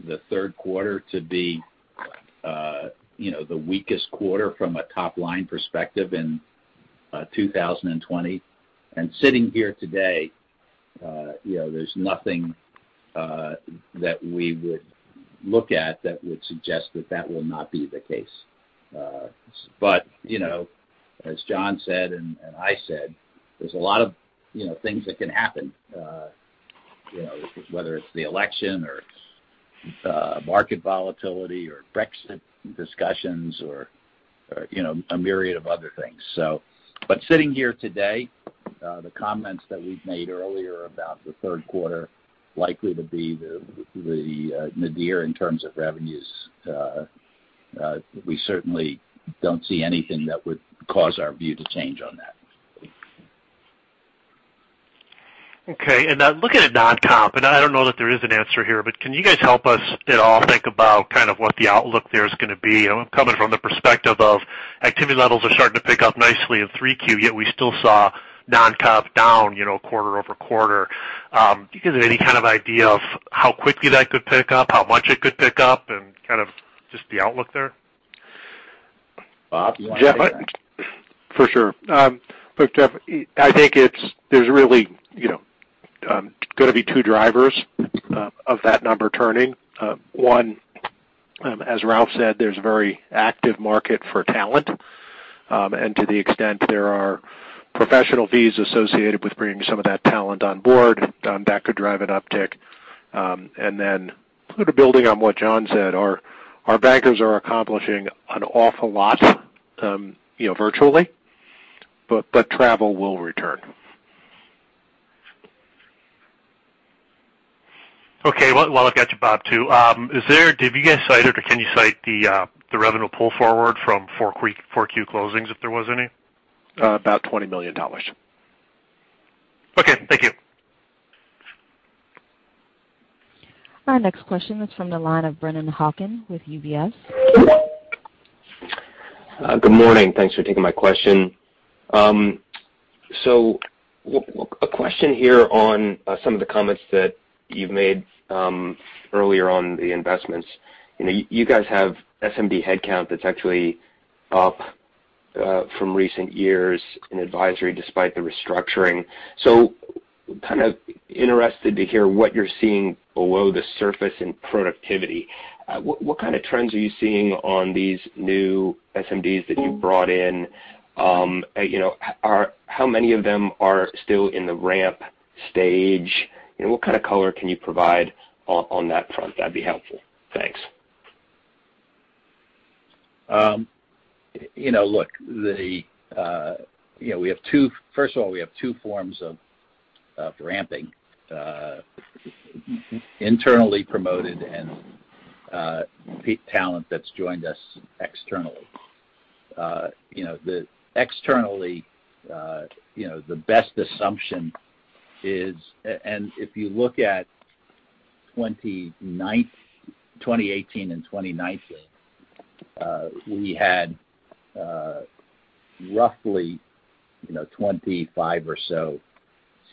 the third quarter to be the weakest quarter from a top-line perspective in 2020. Sitting here today, there's nothing that we would look at that would suggest that that will not be the case. As John said, and I said, there's a lot of things that can happen, whether it's the election or it's market volatility or Brexit discussions or a myriad of other things. Sitting here today, the comments that we've made earlier about the third quarter likely to be the nadir in terms of revenues, we certainly don't see anything that would cause our view to change on that. Okay. Now looking at non-comp, and I don't know that there is an answer here, but can you guys help us at all think about what the outlook there is going to be, coming from the perspective of activity levels are starting to pick up nicely in 3Q, yet we still saw non-comp down quarter-over-quarter. Do you guys have any kind of idea of how quickly that could pick up, how much it could pick up, and just the outlook there? Bob, do you want to take that? For sure. Look, Jeff, I think there's really going to be two drivers of that number turning. One, as Ralph said, there's a very active market for talent. To the extent there are professional fees associated with bringing some of that talent on board, that could drive an uptick. Then sort of building on what John said, our bankers are accomplishing an awful lot virtually. Travel will return. Okay. While I've got you, Bob, too, did you guys cite or can you cite the revenue pull forward from Q4 closings, if there was any? About $20 million. Okay, thank you. Our next question is from the line of Brennan Hawken with UBS. Good morning. Thanks for taking my question. A question here on some of the comments that you've made earlier on the investments. You guys have SMD headcount that's actually up from recent years in advisory, despite the restructuring. Kind of interested to hear what you're seeing below the surface in productivity. What kind of trends are you seeing on these new SMDs that you brought in? How many of them are still in the ramp stage, and what kind of color can you provide on that front? That'd be helpful. Thanks. Look, first of all, we have two forms of ramping. Internally promoted and talent that's joined us externally. Externally, the best assumption is, and if you look at 2018 and 2019, we had roughly 25 or so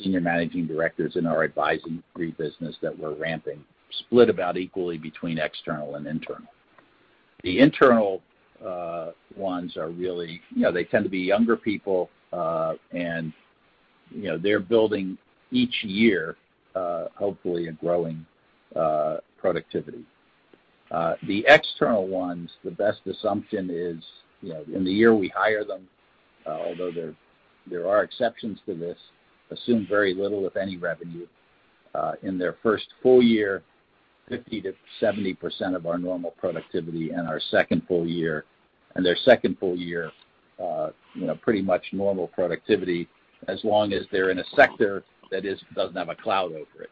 Senior Managing Directors in our advisory business that were ramping, split about equally between external and internal. The internal ones are really, they tend to be younger people, and they're building each year, hopefully, a growing productivity. The external ones, the best assumption is in the year we hire them, although there are exceptions to this, assume very little, if any, revenue. In their first full year, 50%-70% of our normal productivity. In their second full year, pretty much normal productivity as long as they're in a sector that doesn't have a cloud over it.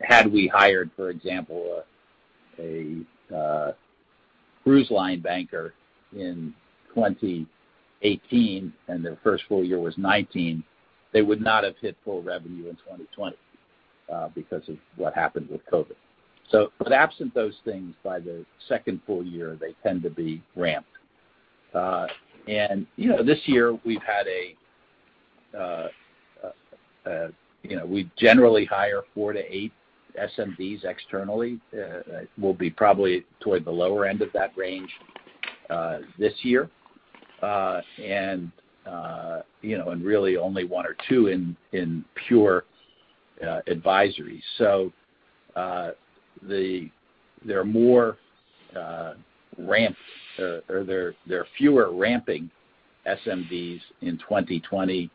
Had we hired, for example, a cruise line banker in 2018 and their first full year was 2019, they would not have hit full revenue in 2020 because of what happened with COVID. Absent those things, by the second full year, they tend to be ramped. This year we've had a we generally hire four to eight SMDs externally. We'll be probably toward the lower end of that range this year. Really only one or two in pure advisory. There are fewer ramping SMDs in 2020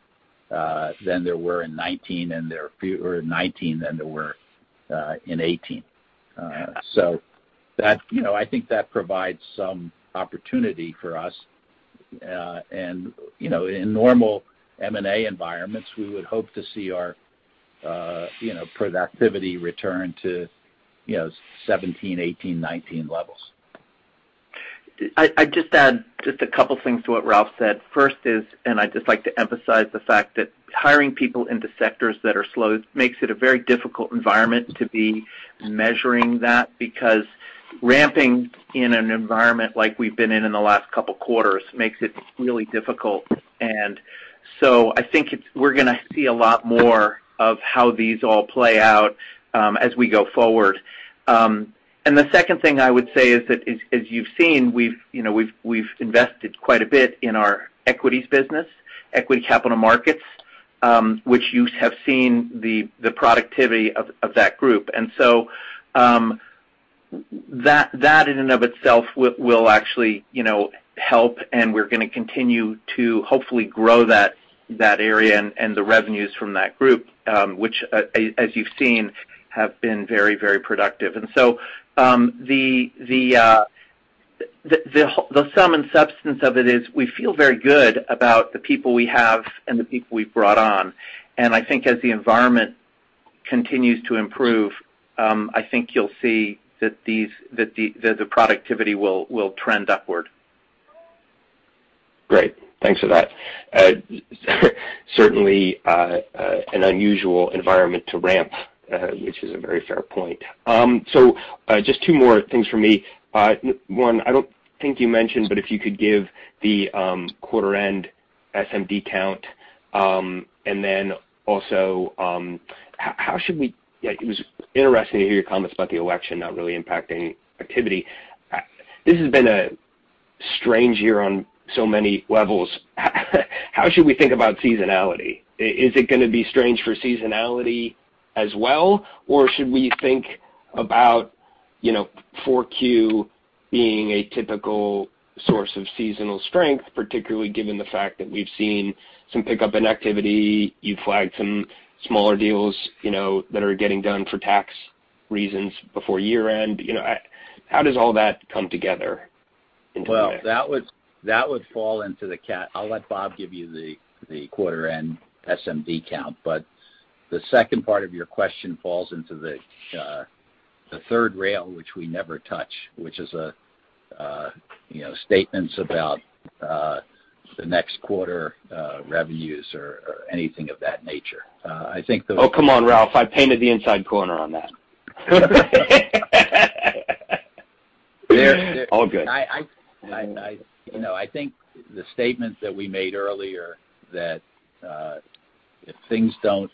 than there were in 2019, and there were in 2018. I think that provides some opportunity for us. In normal M&A environments, we would hope to see our productivity return to 2017, 2018, 2019 levels. I'd just add just a couple things to what Ralph said. First is, I'd just like to emphasize the fact that hiring people into sectors that are slow makes it a very difficult environment to be measuring that because ramping in an environment like we've been in in the last couple quarters makes it really difficult. I think we're going to see a lot more of how these all play out as we go forward. The second thing I would say is that, as you've seen, we've invested quite a bit in our equities business, equity capital markets, which you have seen the productivity of that group. That in and of itself will actually help, and we're going to continue to hopefully grow that area and the revenues from that group, which as you've seen, have been very, very productive. The sum and substance of it is we feel very good about the people we have and the people we've brought on. I think as the environment continues to improve, I think you'll see that the productivity will trend upward. Great. Thanks for that. Certainly an unusual environment to ramp, which is a very fair point. Just two more things from me. One, I don't think you mentioned, but if you could give the quarter-end SMD count. Also, it was interesting to hear your comments about the election not really impacting activity. This has been a strange year on so many levels. How should we think about seasonality? Is it going to be strange for seasonality as well? Should we think about 4Q being a typical source of seasonal strength, particularly given the fact that we've seen some pickup in activity, you've flagged some smaller deals that are getting done for tax reasons before year-end. How does all that come together into the mix? Well, that would fall into the. I'll let Bob give you the quarter-end SMD count. The second part of your question falls into the third rail, which we never touch, which is statements about the next quarter revenues or anything of that nature. Oh, come on, Ralph. I painted the inside corner on that. All good. I think the statement that we made earlier that if things don't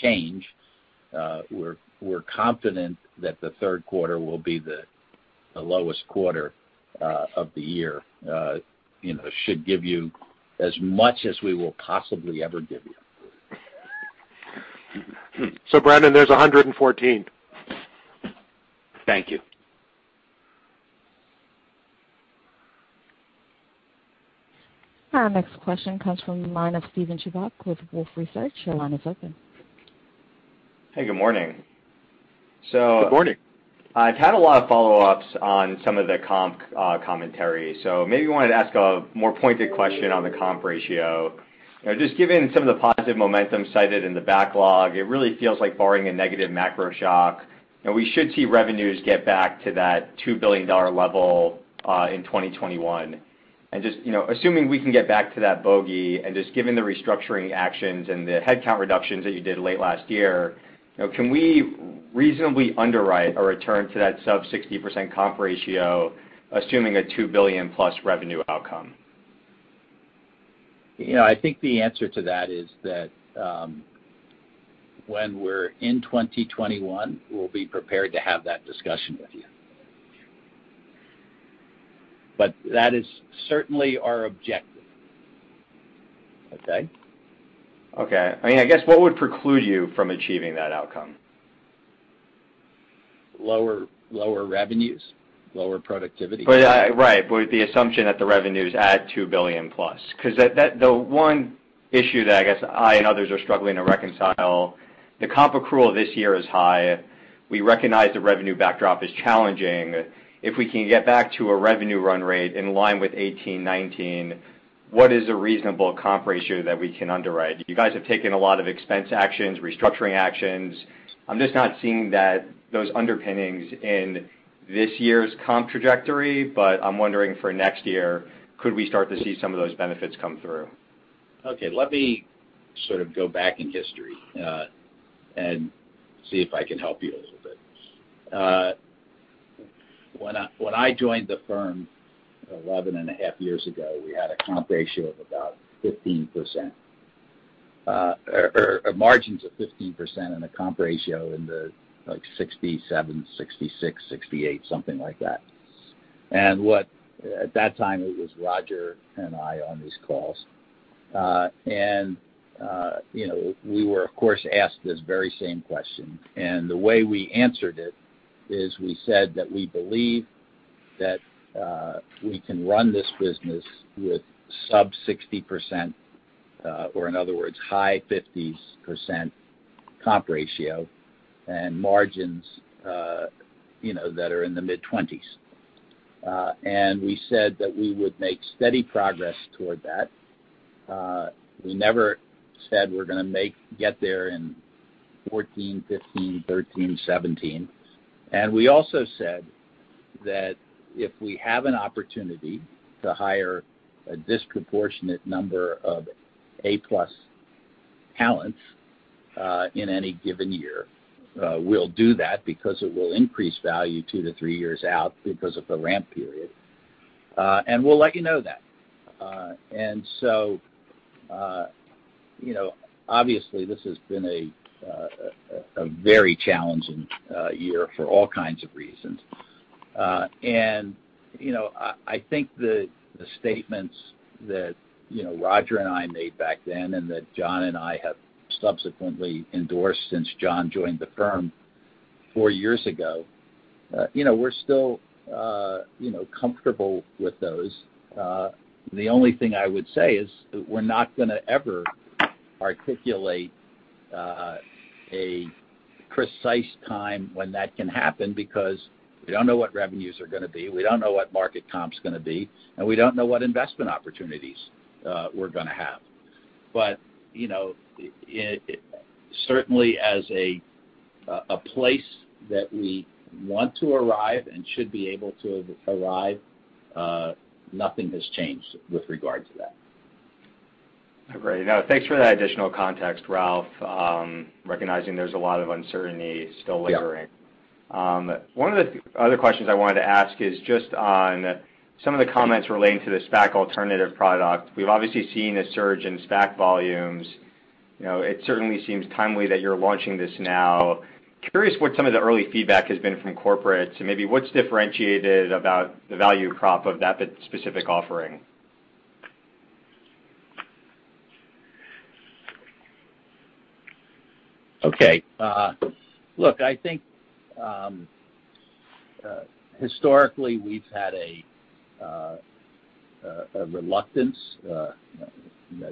change, we're confident that the third quarter will be the lowest quarter of the year should give you as much as we will possibly ever give you. Brennan, there's 114. Thank you. Our next question comes from the line of Steven Chubak with Wolfe Research. Your line is open. Hey, good morning. Good morning. I've had a lot of follow-ups on some of the comp commentary. Maybe wanted to ask a more pointed question on the comp ratio. Just given some of the positive momentum cited in the backlog, it really feels like barring a negative macro shock, we should see revenues get back to that $2 billion level in 2021. Just assuming we can get back to that bogey and just given the restructuring actions and the headcount reductions that you did late last year, can we reasonably underwrite a return to that sub 60% comp ratio, assuming a $2 billion+ revenue outcome? I think the answer to that is that when we're in 2021, we'll be prepared to have that discussion with you. That is certainly our objective. Okay? Okay. I guess what would preclude you from achieving that outcome? Lower revenues, lower productivity. Right. With the assumption that the revenues add $2 billion+, because the one issue that I guess I and others are struggling to reconcile, the comp accrual this year is high. We recognize the revenue backdrop is challenging. If we can get back to a revenue run rate in line with 2018, 2019, what is a reasonable comp ratio that we can underwrite? You guys have taken a lot of expense actions, restructuring actions. I'm just not seeing those underpinnings in this year's comp trajectory, but I'm wondering for next year, could we start to see some of those benefits come through? Okay. Let me sort of go back in history, and see if I can help you a little bit. When I joined the firm 11.5 years ago, we had a comp ratio of about 15%, or margins of 15% and a comp ratio in the like 67%, 66%, 68%, something like that. At that time it was Roger and I on these calls. We were, of course, asked this very same question. The way we answered it is we said that we believe that we can run this business with sub 60%, or in other words, high 50% comp ratio and margins that are in the mid-20s. We said that we would make steady progress toward that. We never said we're going to get there in 2014, 2015, 2013, 2017. We also said that if we have an opportunity to hire a disproportionate number of A+ talents in any given year, we'll do that because it will increase value two to three years out because of the ramp period. We'll let you know that. Obviously, this has been a very challenging year for all kinds of reasons. I think the statements that Roger and I made back then, and that John and I have subsequently endorsed since John joined the firm four years ago, we're still comfortable with those. The only thing I would say is we're not going to ever articulate a precise time when that can happen, because we don't know what revenues are going to be, we don't know what market comp's going to be, and we don't know what investment opportunities we're going to have. Certainly as a place that we want to arrive and should be able to arrive, nothing has changed with regard to that. Great. Thanks for that additional context, Ralph. Recognizing there's a lot of uncertainty still lingering. Yeah. One of the other questions I wanted to ask is just on some of the comments relating to the SPAC alternative product. We've obviously seen a surge in SPAC volumes. It certainly seems timely that you're launching this now. Curious what some of the early feedback has been from corporate to maybe what's differentiated about the value prop of that specific offering. Okay. Look, I think historically we've had a reluctance,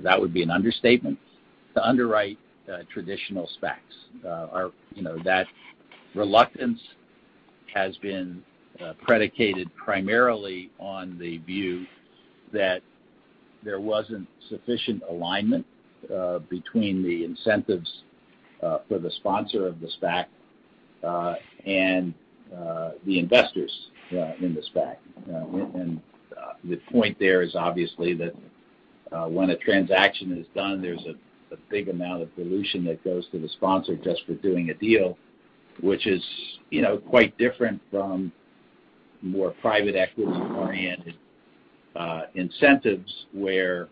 that would be an understatement, to underwrite traditional SPACs. That reluctance has been predicated primarily on the view that there wasn't sufficient alignment between the incentives for the sponsor of the SPAC and the investors in the SPAC. The point there is obviously that when a transaction is done, there's a big amount of dilution that goes to the sponsor just for doing a deal, which is quite different from more private equity-oriented incentives where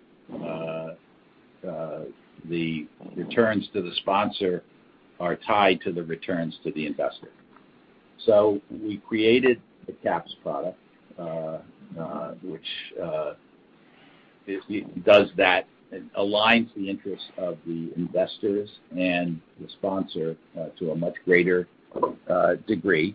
the returns to the sponsor are tied to the returns to the investor. We created the CAPS product, which does that and aligns the interests of the investors and the sponsor to a much greater degree.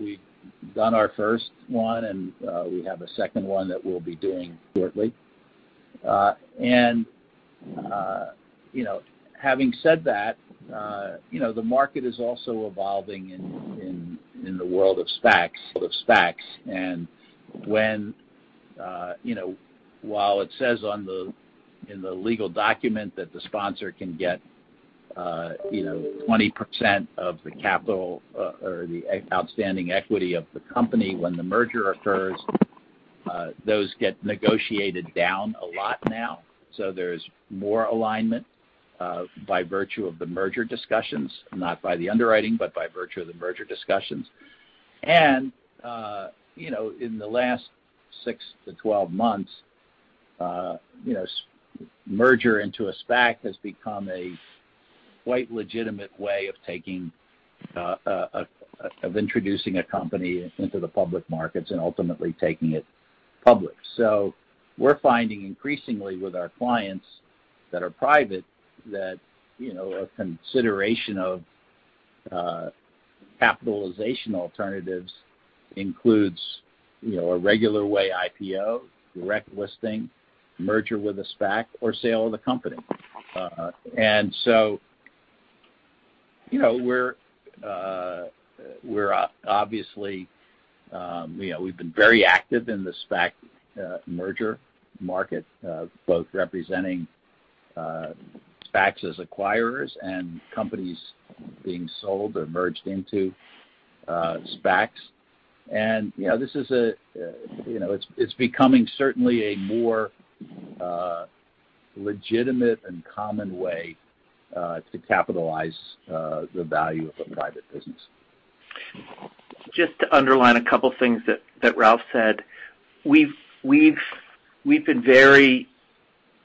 We've done our first one, and we have a second one that we'll be doing shortly. Having said that, the market is also evolving in the world of SPACs. While it says in the legal document that the sponsor can get 20% of the capital or the outstanding equity of the company when the merger occurs, those get negotiated down a lot now. There's more alignment by virtue of the merger discussions, not by the underwriting, but by virtue of the merger discussions. In the last 6-12 months, merger into a SPAC has become a quite legitimate way of introducing a company into the public markets and ultimately taking it public. We're finding increasingly with our clients that are private, that a consideration of capitalization alternatives includes a regular way IPO, direct listing, merger with a SPAC, or sale of the company. We've been very active in the SPAC merger market both representing SPACs as acquirers and companies being sold or merged into SPACs. It's becoming certainly a more legitimate and common way to capitalize the value of a private business. Just to underline a couple things that Ralph said. We've been very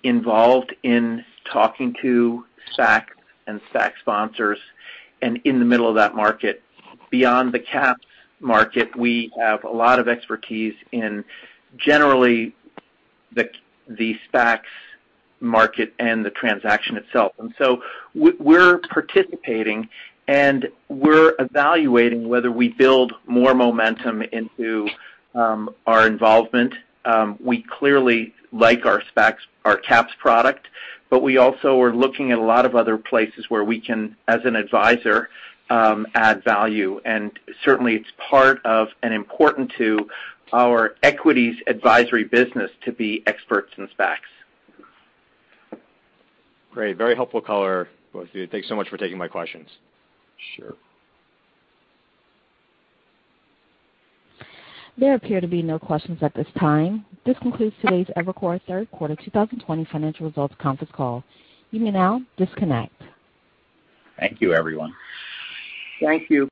involved in talking to SPAC and SPAC sponsors, in the middle of that market. Beyond the CAPS market, we have a lot of expertise in generally the SPACs market and the transaction itself. We're participating, and we're evaluating whether we build more momentum into our involvement. We clearly like our CAPS product, we also are looking at a lot of other places where we can, as an advisor, add value. Certainly it's part of and important to our equities advisory business to be experts in SPACs. Great. Very helpful call, both of you. Thanks so much for taking my questions. Sure. There appear to be no questions at this time. This concludes today's Evercore third quarter 2020 financial results Conference call. You may now disconnect. Thank you, everyone. Thank you.